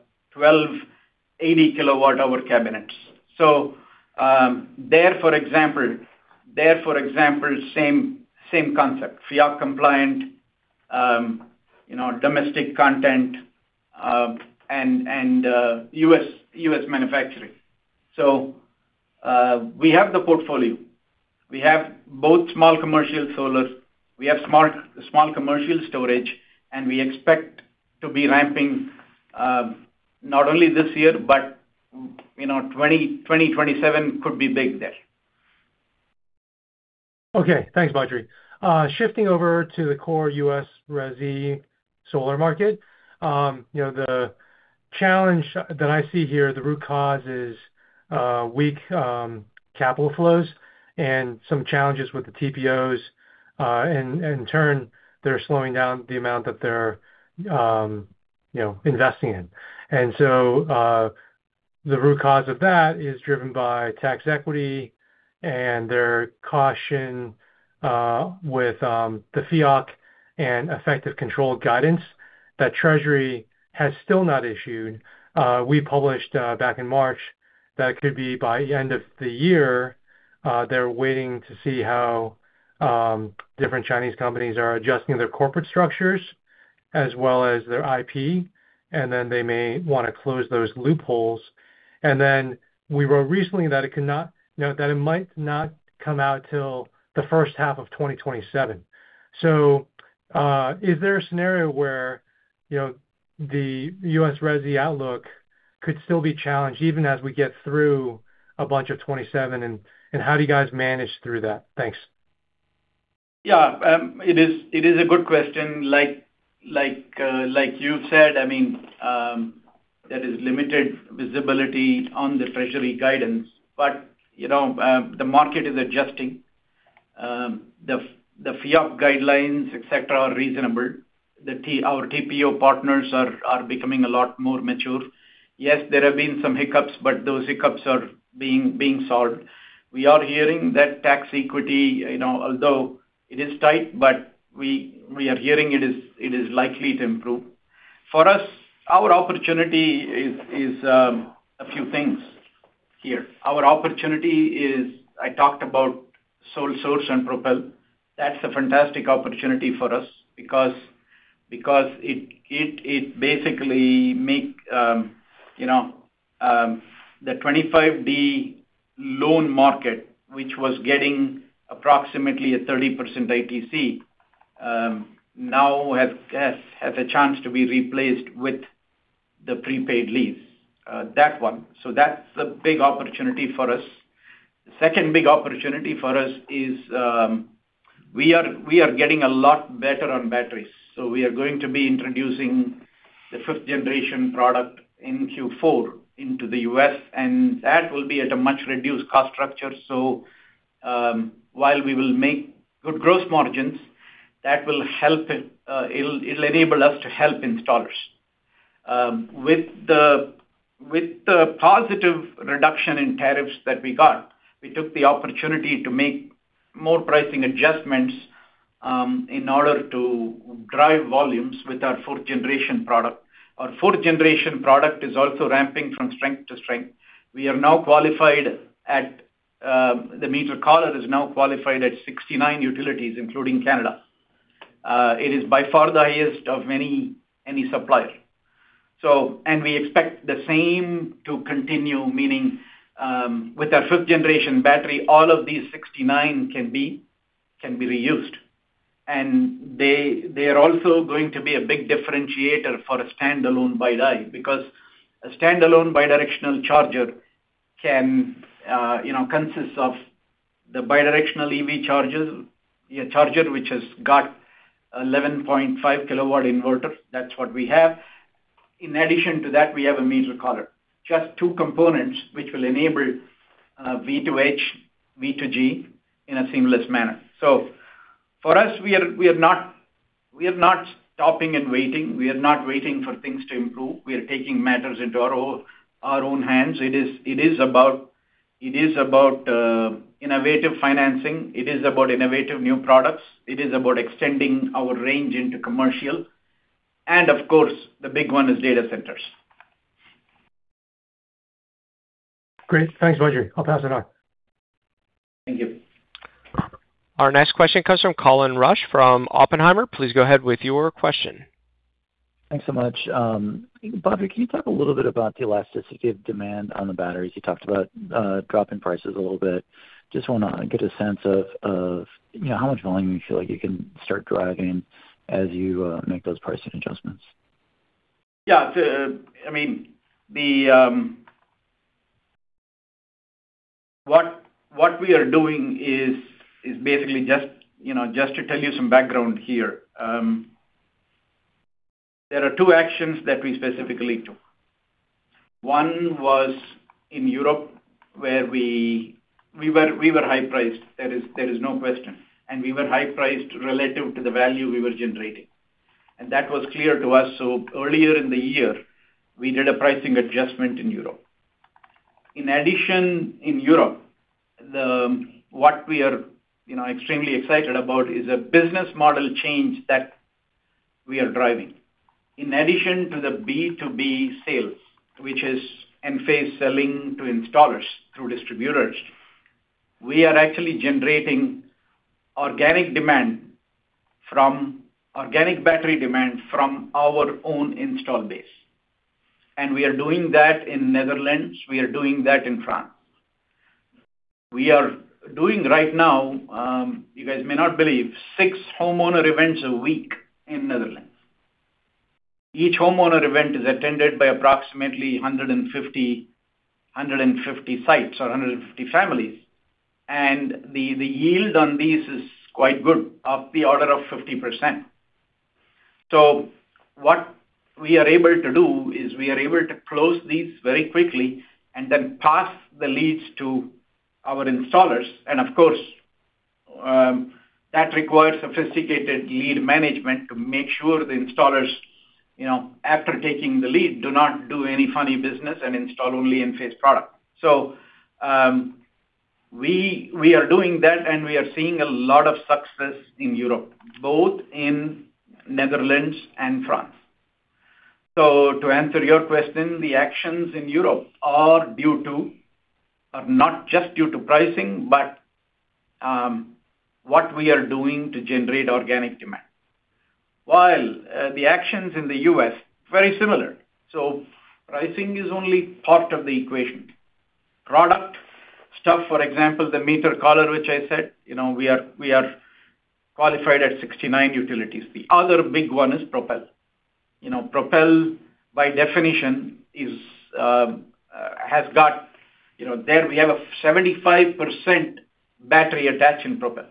12-80 kilowatt hour cabinets. There, for example, same concept. FEOC-compliant, domestic content, and U.S. manufacturing. We have the portfolio. We have both small commercial solar, we have small commercial storage, and we expect to be ramping, not only this year, but 2027 could be big there. Okay, thanks, Badri. Shifting over to the core U.S. resi solar market. The challenge that I see here, the root cause is weak capital flows and some challenges with the TPOs. In turn, they're slowing down the amount that they're investing in. The root cause of that is driven by tax equity and their caution with the FIOC and effective control guidance that Treasury has still not issued. We published back in March that it could be by end of the year. They're waiting to see how different Chinese companies are adjusting their corporate structures as well as their IP, and then they may want to close those loopholes. We wrote recently that it might not come out till the first half of 2027. Is there a scenario where the U.S. resi outlook could still be challenged even as we get through a bunch of 2027, and how do you guys manage through that? Thanks. It is a good question. Like you said, there is limited visibility on the Treasury guidance, but the market is adjusting. The FIOC guidelines, et cetera, are reasonable. Our TPO partners are becoming a lot more mature. Yes, there have been some hiccups, but those hiccups are being solved. We are hearing that tax equity, although it is tight, but we are hearing it is likely to improve. For us, our opportunity is a few things here. Our opportunity is, I talked about SolSource and Propel. That's a fantastic opportunity for us because it basically make the 25D loan market, which was getting approximately a 30% ITC, now has a chance to be replaced with the prepaid lease. That one. That's a big opportunity for us. The second big opportunity for us is we are getting a lot better on batteries. We are going to be introducing the fifth-generation product in Q4 into the U.S., and that will be at a much reduced cost structure. While we will make good gross margins, that will enable us to help installers. With the positive reduction in tariffs that we got, we took the opportunity to make more pricing adjustments, in order to drive volumes with our fourth-generation product. Our fourth-generation product is also ramping from strength to strength. The meter collar is now qualified at 69 utilities, including Canada. It is by far the highest of any supplier. We expect the same to continue, meaning, with our fifth-generation battery, all of these 69 can be reused. They are also going to be a big differentiator for a standalone BiDi, because a standalone bidirectional charger consists of the bidirectional EV charger, which has got 11.5 kilowatt inverter. That's what we have. In addition to that, we have a meter collar. Just two components, which will enable V2H, V2G in a seamless manner. For us, we are not stopping and waiting. We are not waiting for things to improve. We are taking matters into our own hands. It is about innovative financing. It is about innovative new products. It is about extending our range into commercial. Of course, the big one is data centers. Great. Thanks, Badri. I'll pass it on. Thank you. Our next question comes from Colin Rusch from Oppenheimer. Please go ahead with your question. Thanks so much. Badri, can you talk a little bit about the elasticity of demand on the batteries? You talked about drop in prices a little bit. Just want to get a sense of how much volume you feel like you can start driving as you make those pricing adjustments. What we are doing is basically just to tell you some background here. There are two actions that we specifically took. One was in Europe where we were high-priced. There is no question. We were high-priced relative to the value we were generating. That was clear to us. Earlier in the year, we did a pricing adjustment in Europe. In addition in Europe, what we are extremely excited about is a business model change that we are driving. In addition to the B2B sales, which is Enphase selling to installers through distributors, we are actually generating organic battery demand from our own install base. We are doing that in Netherlands, we are doing that in France. We are doing right now, you guys may not believe, six homeowner events a week in Netherlands. Each homeowner event is attended by approximately 150 sites or 150 families. The yield on these is quite good, of the order of 50%. What we are able to do is we are able to close these very quickly and then pass the leads to our installers. Of course, that requires sophisticated lead management to make sure the installers, after taking the lead, do not do any funny business and install only Enphase product. We are doing that, and we are seeing a lot of success in Europe, both in Netherlands and France. To answer your question, the actions in Europe are not just due to pricing, but what we are doing to generate organic demand. While the actions in the U.S., very similar. Pricing is only part of the equation. Product stuff, for example, the IQ Meter Collar, which I said, we are qualified at 69 utilities. The other big one is Propel. Propel, by definition. There we have a 75% battery attach in Propel.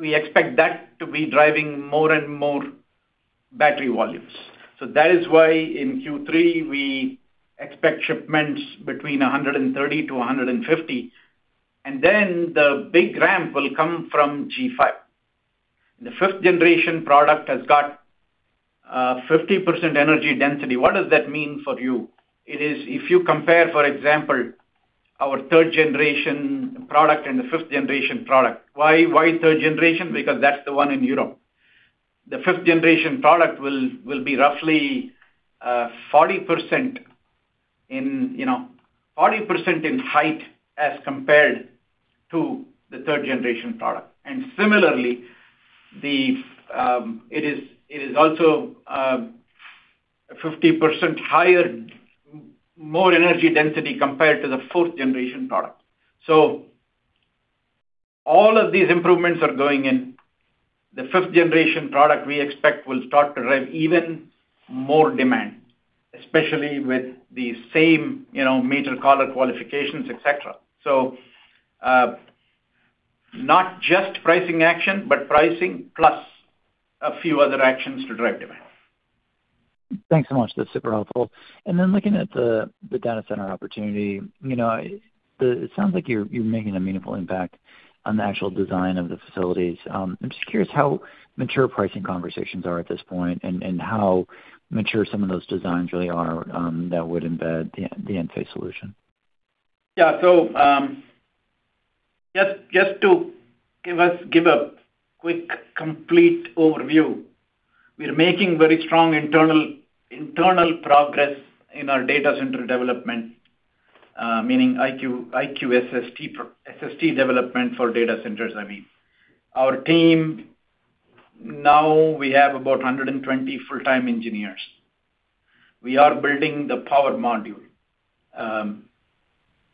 We expect that to be driving more and more battery volumes. That is why in Q3, we expect shipments between 130 to 150, and then the big ramp will come from G5. The fifth-generation product has got 50% energy density. What does that mean for you? It is if you compare, for example, our third-generation product and the fifth-generation product. Why third generation? Because that's the one in Europe. The fifth-generation product will be roughly 40% in height as compared to the third-generation product. Similarly, it is also 50% higher, more energy density compared to the fourth-generation product. All of these improvements are going in. The fifth-generation product we expect will start to drive even more demand, especially with the same IQ Meter Collar qualifications, et cetera. Not just pricing action, but pricing plus a few other actions to drive demand. Thanks so much. That's super helpful. Then looking at the data center opportunity, it sounds like you're making a meaningful impact on the actual design of the facilities. I'm just curious how mature pricing conversations are at this point and how mature some of those designs really are that would embed the Enphase solution. Just to give a quick complete overview, we are making very strong internal progress in our data center development, meaning IQ SST development for data centers, I mean. Our team, now we have about 120 full-time engineers. We are building the power module,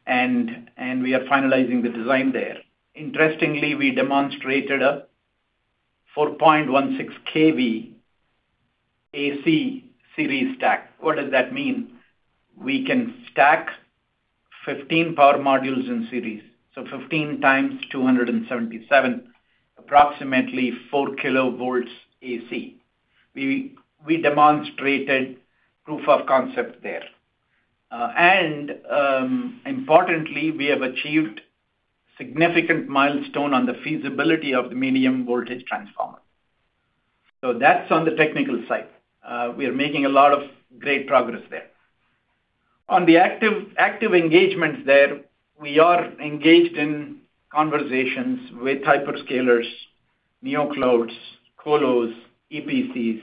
and we are finalizing the design there. Interestingly, we demonstrated a 4.16 kV AC series stack. What does that mean? We can stack 15 power modules in series. 15 times 277, approximately 4 kilovolts AC. We demonstrated proof of concept there. Importantly, we have achieved significant milestone on the feasibility of the medium voltage transformer. That's on the technical side. We are making a lot of great progress there. On the active engagements there, we are engaged in conversations with hyperscalers, neo clouds, colos, EPCs,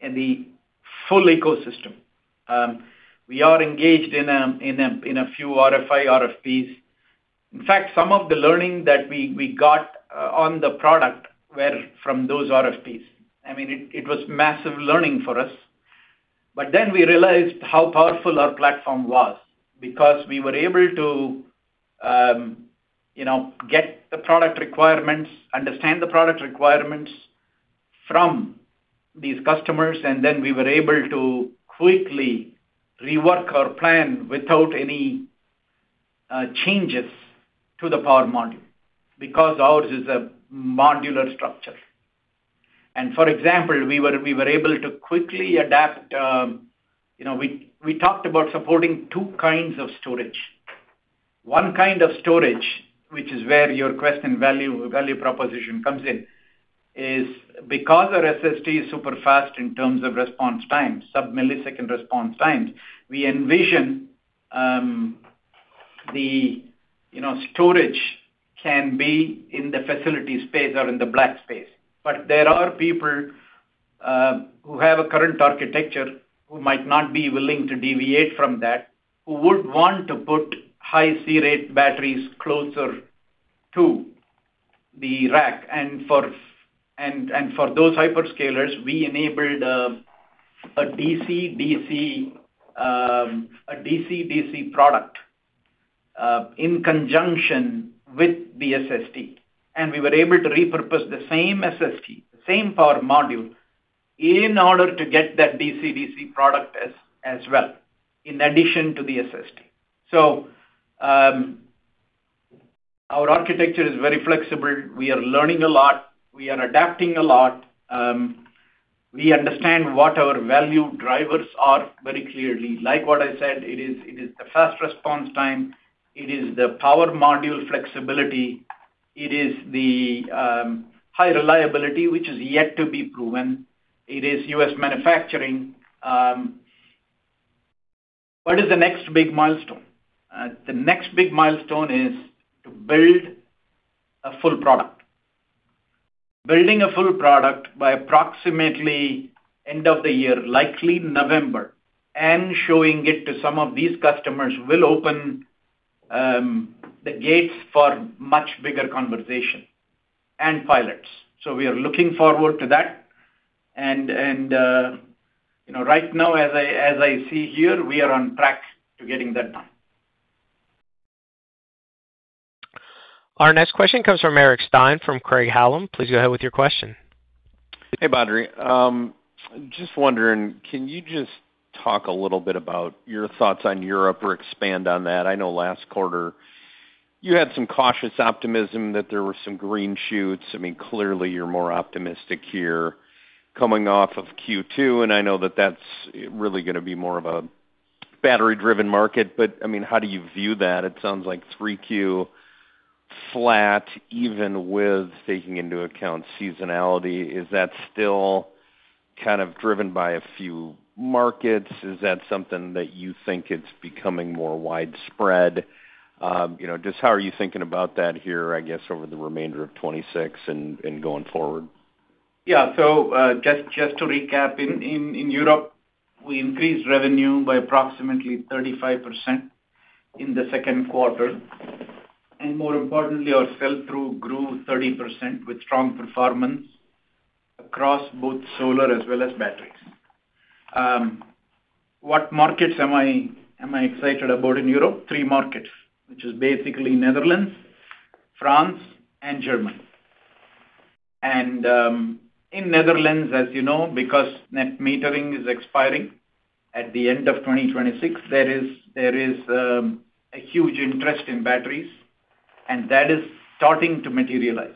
and the full ecosystem. We are engaged in a few RFI, RFPs. In fact, some of the learning that we got on the product were from those RFPs. I mean, it was massive learning for us. We realized how powerful our platform was because we were able to get the product requirements, understand the product requirements from these customers, and then we were able to quickly rework our plan without any changes to the power module, because ours is a modular structure. For example, we were able to quickly adapt. We talked about supporting two kinds of storage. One kind of storage, which is where your question value proposition comes in, is because our SST is super fast in terms of response times, sub-millisecond response times, we envision the storage can be in the facility space or in the black space. There are people who have a current architecture who might not be willing to deviate from that, who would want to put high C rate batteries closer to the rack. For those hyperscalers, we enabled a DC DC product in conjunction with the SST. We were able to repurpose the same SST, the same power module, in order to get that DC DC product as well, in addition to the SST. Our architecture is very flexible. We are learning a lot. We are adapting a lot. We understand what our value drivers are very clearly. Like what I said, it is the fast response time, it is the power module flexibility, it is the high reliability, which is yet to be proven. It is U.S. manufacturing. What is the next big milestone? The next big milestone is to build a full product. Building a full product by approximately end of the year, likely November, and showing it to some of these customers, will open the gates for much bigger conversation and pilots. We are looking forward to that. Right now as I see here, we are on track to getting that done. Our next question comes from Eric Stine from Craig-Hallum. Please go ahead with your question. Hey, Badri. Just wondering, can you just talk a little bit about your thoughts on Europe or expand on that? I know last quarter you had some cautious optimism that there were some green shoots. Clearly you're more optimistic here coming off of Q2, and I know that's really going to be more of a battery-driven market. How do you view that? It sounds like 3Q flat even with taking into account seasonality. Is that still kind of driven by a few markets? Is that something that you think it's becoming more widespread? Just how are you thinking about that here, I guess, over the remainder of 2026 and going forward? Yeah. Just to recap, in Europe, we increased revenue by approximately 35% in the second quarter. More importantly, our sell-through grew 30% with strong performance across both solar as well as batteries. What markets am I excited about in Europe? 3 markets, which is basically Netherlands, France, and Germany. In Netherlands, as you know, because net metering is expiring at the end of 2026, there is a huge interest in batteries, and that is starting to materialize.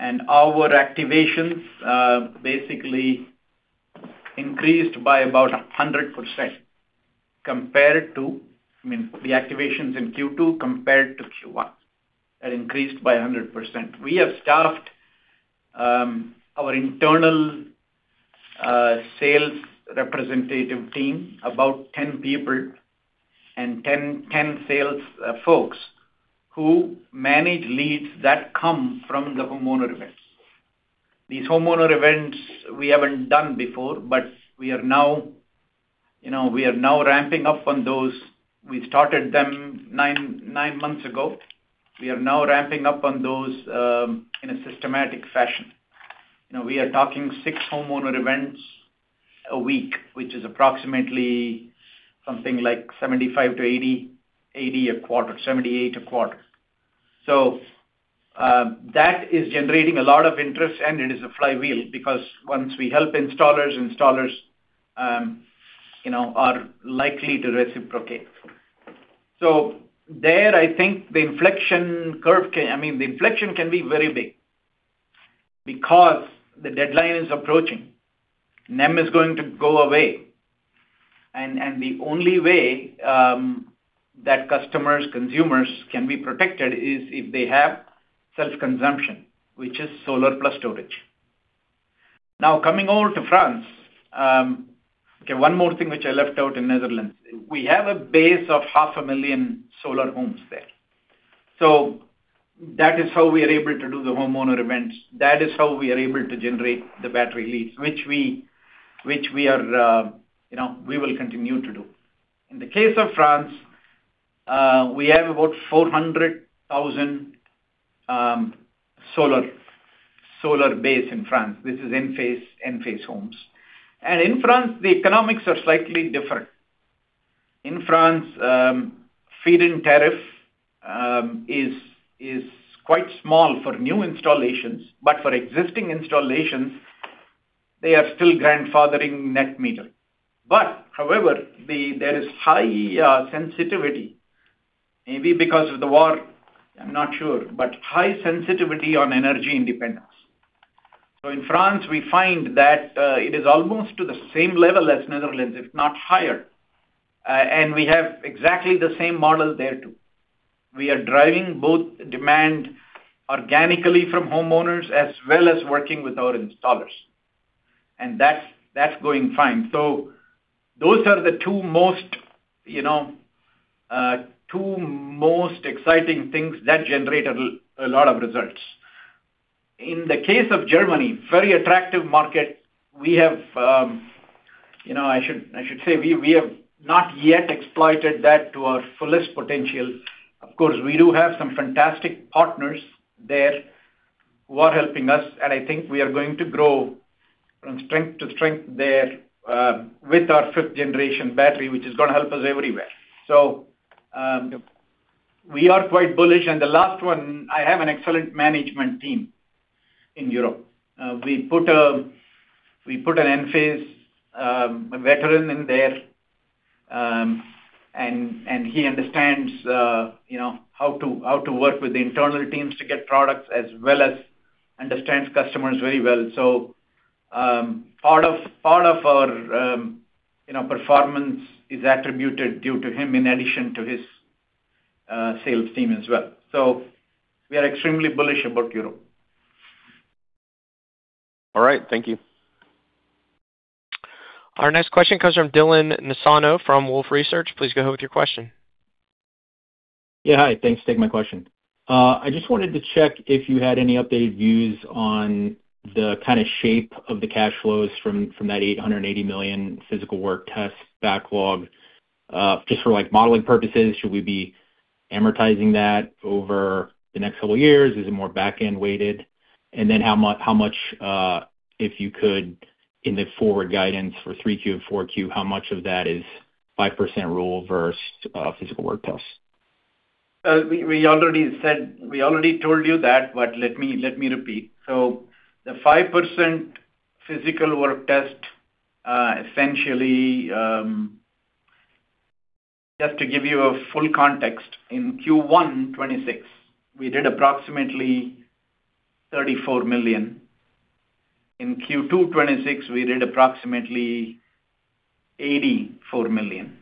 Our activations basically increased by about 100%. The activations in Q2 compared to Q1 had increased by 100%. We have staffed our internal sales representative team, about 10 people and 10 sales folks who manage leads that come from the homeowner events. These homeowner events we haven't done before, but we are now ramping up on those. We started them 9 months ago. We are now ramping up on those in a systematic fashion. We are talking 6 homeowner events a week, which is approximately something like 75 to 80 a quarter, 78 a quarter. That is generating a lot of interest, and it is a flywheel because once we help installers are likely to reciprocate. There, I think the inflection curve can be very big because the deadline is approaching. NEM is going to go away, and the only way that customers, consumers can be protected is if they have self-consumption, which is solar plus storage. Coming over to France. Okay, 1 more thing which I left out in Netherlands. We have a base of half a million solar homes there. That is how we are able to do the homeowner events. That is how we are able to generate the battery leads, which we will continue to do. In the case of France, we have about 400,000 solar base in France. This is Enphase homes. In France, the economics are slightly different. In France, feed-in tariff is quite small for new installations. For existing installations, they are still grandfathering net meter. However, there is high sensitivity, maybe because of the war, I'm not sure, but high sensitivity on energy independence. In France, we find that it is almost to the same level as Netherlands, if not higher. We have exactly the same model there too. We are driving both demand organically from homeowners as well as working with our installers. That's going fine. Those are the two most exciting things that generate a lot of results. In the case of Germany, very attractive market. I should say we have not yet exploited that to our fullest potential. Of course, we do have some fantastic partners there. Who are helping us, and I think we are going to grow from strength to strength there with our fifth-generation battery, which is going to help us everywhere. We are quite bullish. The last one, I have an excellent management team in Europe. We put an Enphase veteran in there, and he understands how to work with the internal teams to get products as well as understands customers very well. Part of our performance is attributed due to him in addition to his sales team as well. We are extremely bullish about Europe. All right. Thank you. Our next question comes from Dylan Mezzano from Wolfe Research. Please go ahead with your question. Yeah. Hi. Thanks. Take my question. I just wanted to check if you had any updated views on the kind of shape of the cash flows from that $880 million Physical Work Test backlog. Just for modeling purposes, should we be amortizing that over the next couple of years? Is it more back-end weighted? And then how much, if you could, in the forward guidance for 3Q and 4Q, how much of that is 5% rule versus Physical Work Tests? We already told you that, but let me repeat. The 5% Physical Work Test, essentially, just to give you a full context. In Q1 2026, we did approximately $34 million. In Q2 2026, we did approximately $84 million.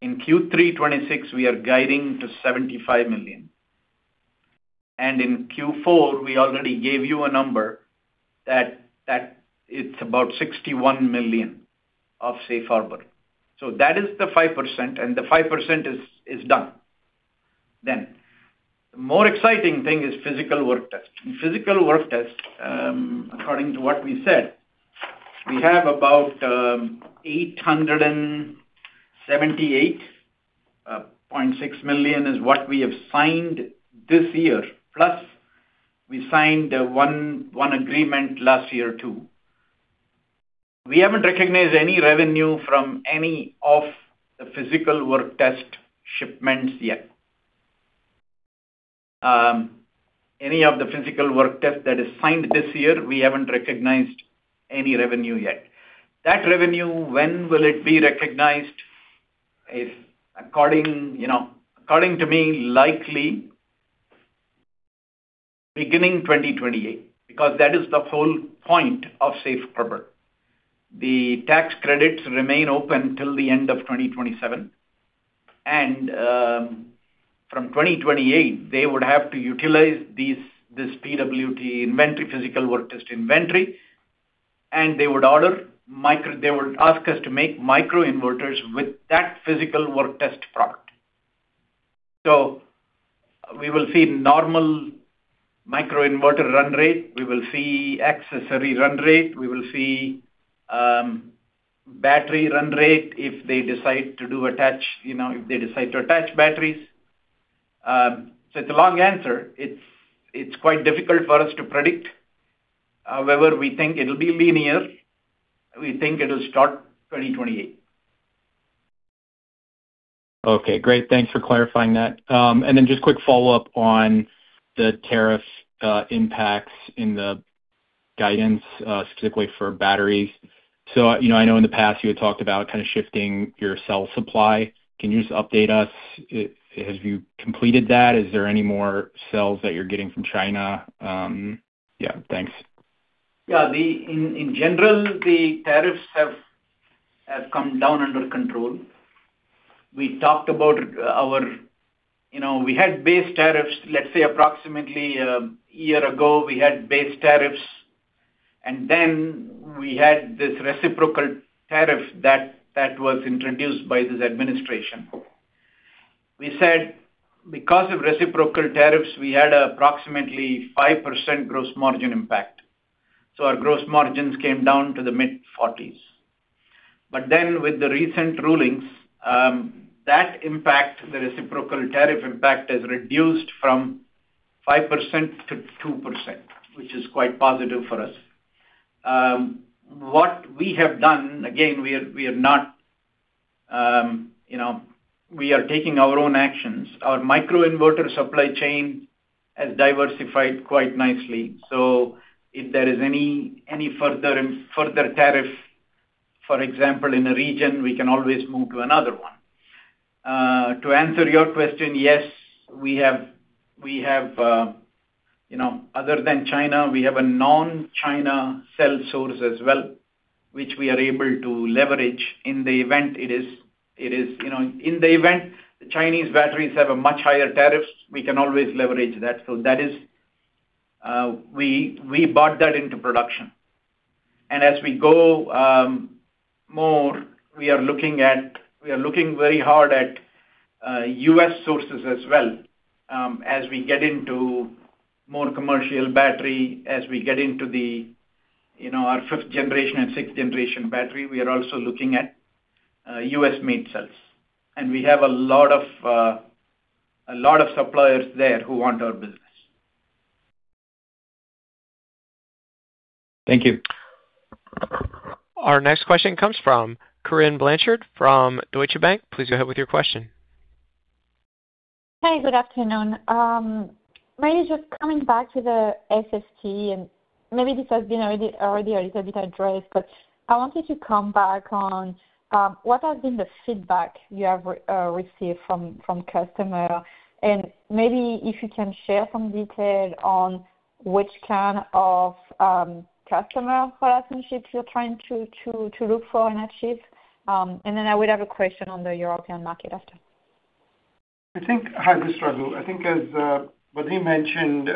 In Q3 2026, we are guiding to $75 million. In Q4, we already gave you a number that it's about $61 million of ITC Safe Harbor. That is the 5%, and the 5% is done. The more exciting thing is Physical Work Test. In Physical Work Test, according to what we said, we have about $878.6 million is what we have signed this year, we signed one agreement last year, too. We haven't recognized any revenue from any of the Physical Work Test shipments yet. Any of the Physical Work Test that is signed this year, we haven't recognized any revenue yet. That revenue, when will it be recognized? According to me, likely beginning 2028, because that is the whole point of ITC Safe Harbor. The tax credits remain open till the end of 2027. From 2028, they would have to utilize this PWT inventory, Physical Work Test inventory, and they would ask us to make microinverters with that Physical Work Test product. We will see normal microinverter run rate. We will see accessory run rate. We will see battery run rate if they decide to attach batteries. It's a long answer. It's quite difficult for us to predict. However, we think it will be linear. We think it will start 2028. Okay, great. Thanks for clarifying that. Just quick follow-up on the tariff impacts in the guidance, specifically for batteries. I know in the past you had talked about kind of shifting your cell supply. Can you just update us? Have you completed that? Is there any more cells that you're getting from China? Yeah, thanks. Yeah. In general, the tariffs have come down under control. We talked about We had base tariffs, let's say approximately a year ago, we had base tariffs. We had this reciprocal tariff that was introduced by this administration. We said because of reciprocal tariffs, we had approximately 5% gross margin impact. Our gross margins came down to the mid-40s. With the recent rulings, that impact, the reciprocal tariff impact, has reduced from 5%-2%, which is quite positive for us. What we have done, again, we are taking our own actions. Our microinverter supply chain has diversified quite nicely. If there is any further tariff, for example, in a region, we can always move to another one. To answer your question, yes, other than China, we have a non-China cell source as well, which we are able to leverage in the event Chinese batteries have a much higher tariff, we can always leverage that. We bought that into production. As we go more, we are looking very hard at U.S. sources as well. As we get into more commercial battery, as we get into our fifth-generation and sixth-generation battery, we are also looking at U.S. made cells. We have a lot of suppliers there who want our business. Thank you. Our next question comes from Corinne Blanchard from Deutsche Bank. Please go ahead with your question. Hi, good afternoon. Maybe just coming back to the SST, maybe this has been already a little bit addressed, but I wanted to come back on what has been the feedback you have received from customer. Maybe if you can share some detail on which kind of customer relationships you're trying to look for and achieve. Then I would have a question on the European market after. I think I have to struggle. I think as Badri mentioned,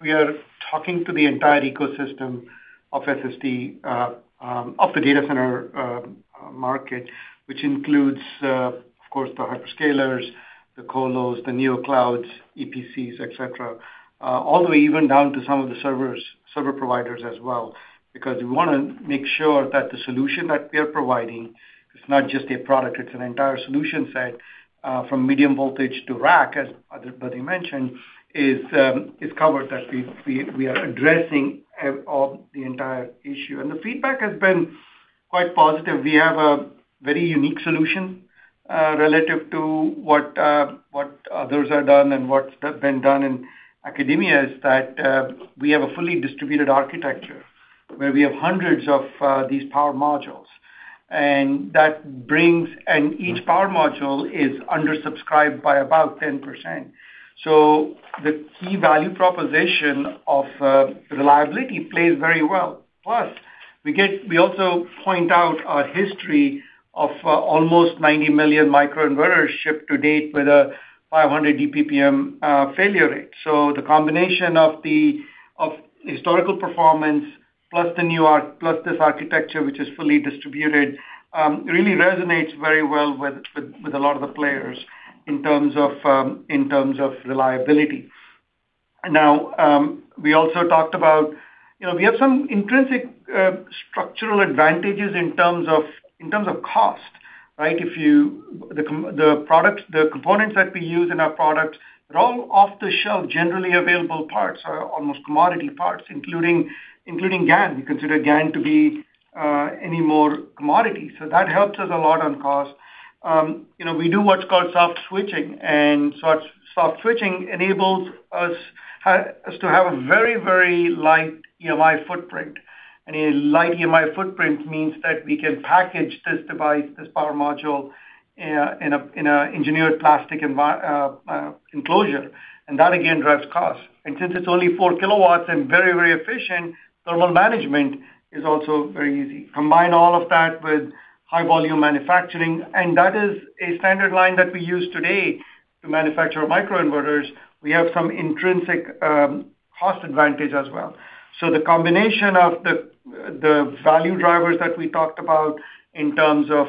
we are talking to the entire ecosystem of SST, of the data center market, which includes, of course, the hyperscalers, the colos, the neo clouds, EPCs, et cetera, all the way even down to some of the server providers as well. We want to make sure that the solution that we are providing is not just a product, it's an entire solution set, from medium voltage to rack, as Badri mentioned, is covered, that we are addressing of the entire issue. The feedback has been quite positive. We have a very unique solution, relative to what others have done and what's been done in academia, is that we have a fully distributed architecture where we have hundreds of these power modules. Each power module is undersubscribed by about 10%. The key value proposition of reliability plays very well. Plus, we also point out our history of almost 90 million microinverters shipped to date with a 500 DPPM failure rate. The combination of historical performance plus this architecture, which is fully distributed, really resonates very well with a lot of the players in terms of reliability. We also talked about, we have some intrinsic structural advantages in terms of cost, right? The components that we use in our products, they're all off-the-shelf, generally available parts or almost commodity parts, including GaN. We consider GaN to be anymore commodity. That helps us a lot on cost. We do what's called soft switching, and soft switching enables us to have a very light EMI footprint. A light EMI footprint means that we can package this device, this power module, in an engineered plastic enclosure. That again, drives cost. Since it's only four kilowatts and very efficient, thermal management is also very easy. Combine all of that with high volume manufacturing, that is a standard line that we use today to manufacture microinverters. We have some intrinsic cost advantage as well. The combination of the value drivers that we talked about in terms of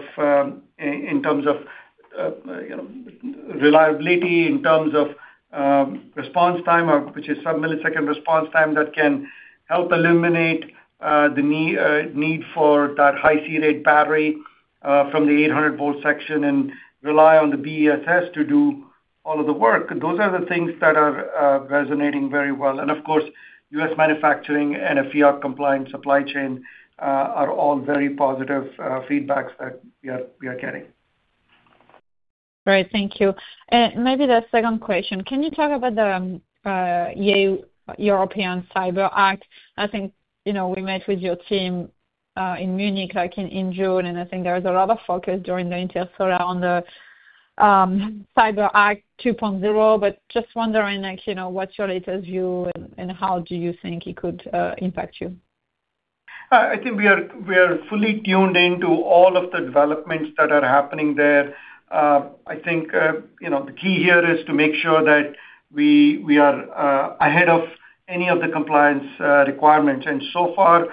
reliability, in terms of response time, which is sub-millisecond response time that can help eliminate the need for that high C rate battery from the 800-volt section and rely on the BESS to do all of the work. Those are the things that are resonating very well. Of course, U.S. manufacturing and a FEOC-compliant supply chain are all very positive feedbacks that we are getting. Great. Thank you. Maybe the second question, can you talk about the European Cyber Act? I think we met with your team in Munich back in June, and I think there is a lot of focus during the Intersolar on the Cyber Act 2.0. Just wondering, what's your latest view and how do you think it could impact you? I think we are fully tuned into all of the developments that are happening there. I think the key here is to make sure that we are ahead of any of the compliance requirements. So far,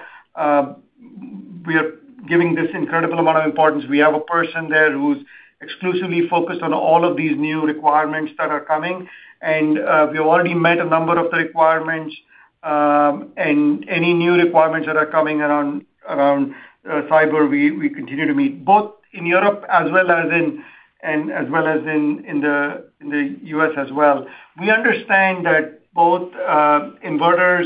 we are giving this incredible amount of importance. We have a person there who's exclusively focused on all of these new requirements that are coming, we have already met a number of the requirements. Any new requirements that are coming around cyber, we continue to meet. Both in Europe as well as in the U.S. as well. We understand that both inverters,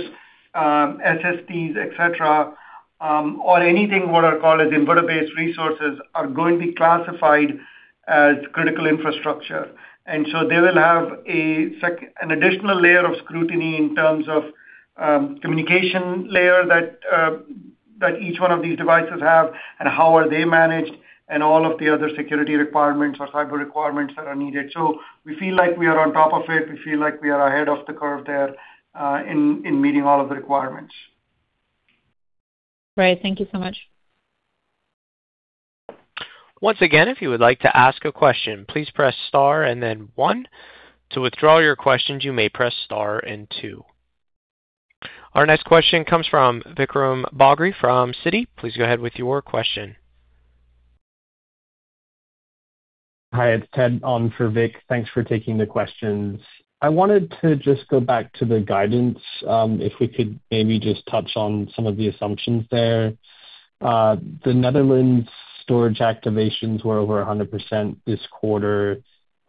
SSTs, et cetera, or anything what are called as inverter-based resources, are going to be classified as critical infrastructure. They will have an additional layer of scrutiny in terms of communication layer that each one of these devices have and how are they managed and all of the other security requirements or cyber requirements that are needed. We feel like we are on top of it. We feel like we are ahead of the curve there in meeting all of the requirements. Great. Thank you so much. Once again, if you would like to ask a question, please press star and then one. To withdraw your questions, you may press star and two. Our next question comes from Vikram Bagri from Citi. Please go ahead with your question. Hi, it's Ted on for Vic. Thanks for taking the questions. I wanted to just go back to the guidance, if we could maybe just touch on some of the assumptions there. The Netherlands storage activations were over 100% this quarter.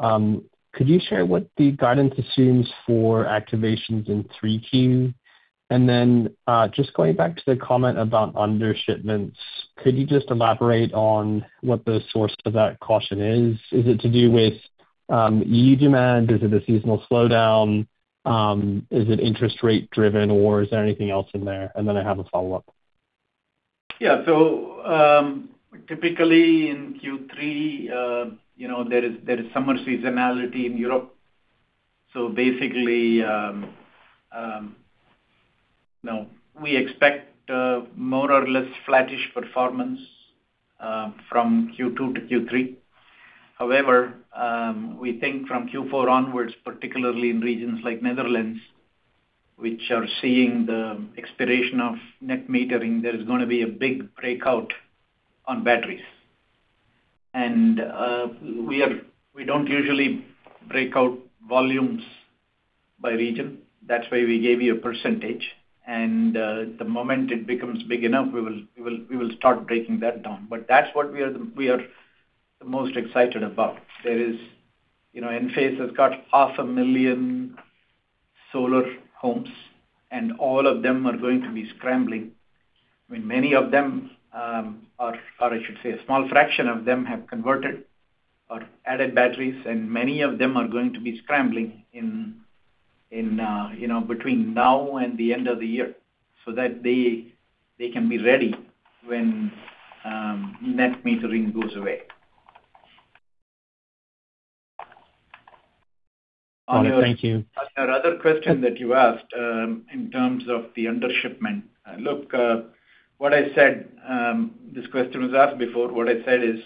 Could you share what the guidance assumes for activations in three Q? Then just going back to the comment about undershipments, could you just elaborate on what the source of that caution is? Is it to do with EU demand? Is it a seasonal slowdown? Is it interest rate driven or is there anything else in there? Then I have a follow-up. Yeah. Typically in Q3, there is summer seasonality in Europe. Basically, we expect more or less flattish performance from Q2 to Q3. However, we think from Q4 onwards, particularly in regions like Netherlands, which are seeing the expiration of net metering, there is going to be a big breakout on batteries. We don't usually break out volumes by region. That's why we gave you a percentage. The moment it becomes big enough, we will start breaking that down. That's what we are the most excited about. Enphase has got half a million solar homes, and all of them are going to be scrambling. I mean, many of them, or I should say a small fraction of them, have converted or added batteries, and many of them are going to be scrambling in between now and the end of the year so that they can be ready when net metering goes away. Thank you. The other question that you asked in terms of the undershipment. Look, this question was asked before. What I said is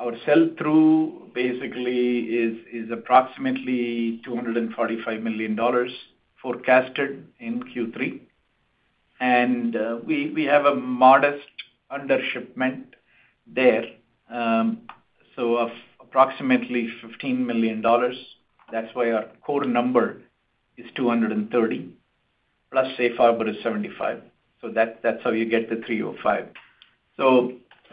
our sell-through basically is approximately $245 million forecasted in Q3. We have a modest undershipment there, of approximately $15 million. That's why our core number is $230, plus Safe Harbor is $75. That's how you get the $305.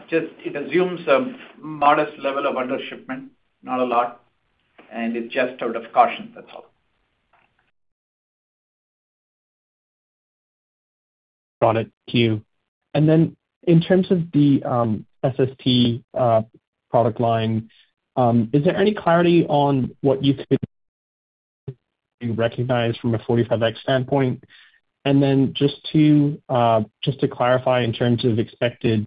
It assumes a modest level of undershipment, not a lot. It's just out of caution, that's all. Got it. Thank you. In terms of the SST product line, is there any clarity on what you recognize from a 45X standpoint? Just to clarify in terms of expected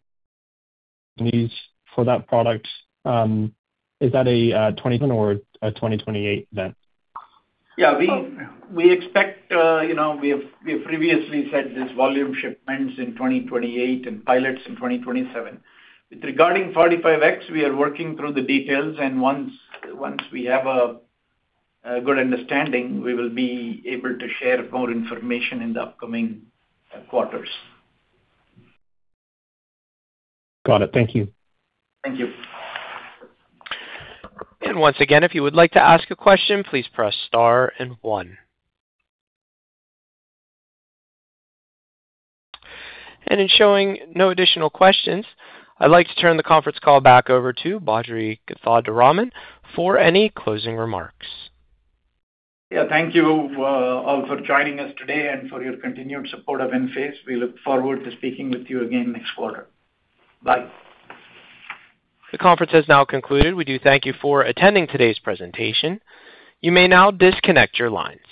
needs for that product, is that a 2027 or a 2028 then? We previously said there's volume shipments in 2028 and pilots in 2027. Regarding 45X, we are working through the details, once we have a good understanding, we will be able to share more information in the upcoming quarters. Got it. Thank you. Thank you. Once again, if you would like to ask a question, please press star and one. It's showing no additional questions. I'd like to turn the conference call back over to Badri Kothandaraman for any closing remarks. Yeah. Thank you all for joining us today and for your continued support of Enphase. We look forward to speaking with you again next quarter. Bye. The conference has now concluded. We do thank you for attending today's presentation. You may now disconnect your line.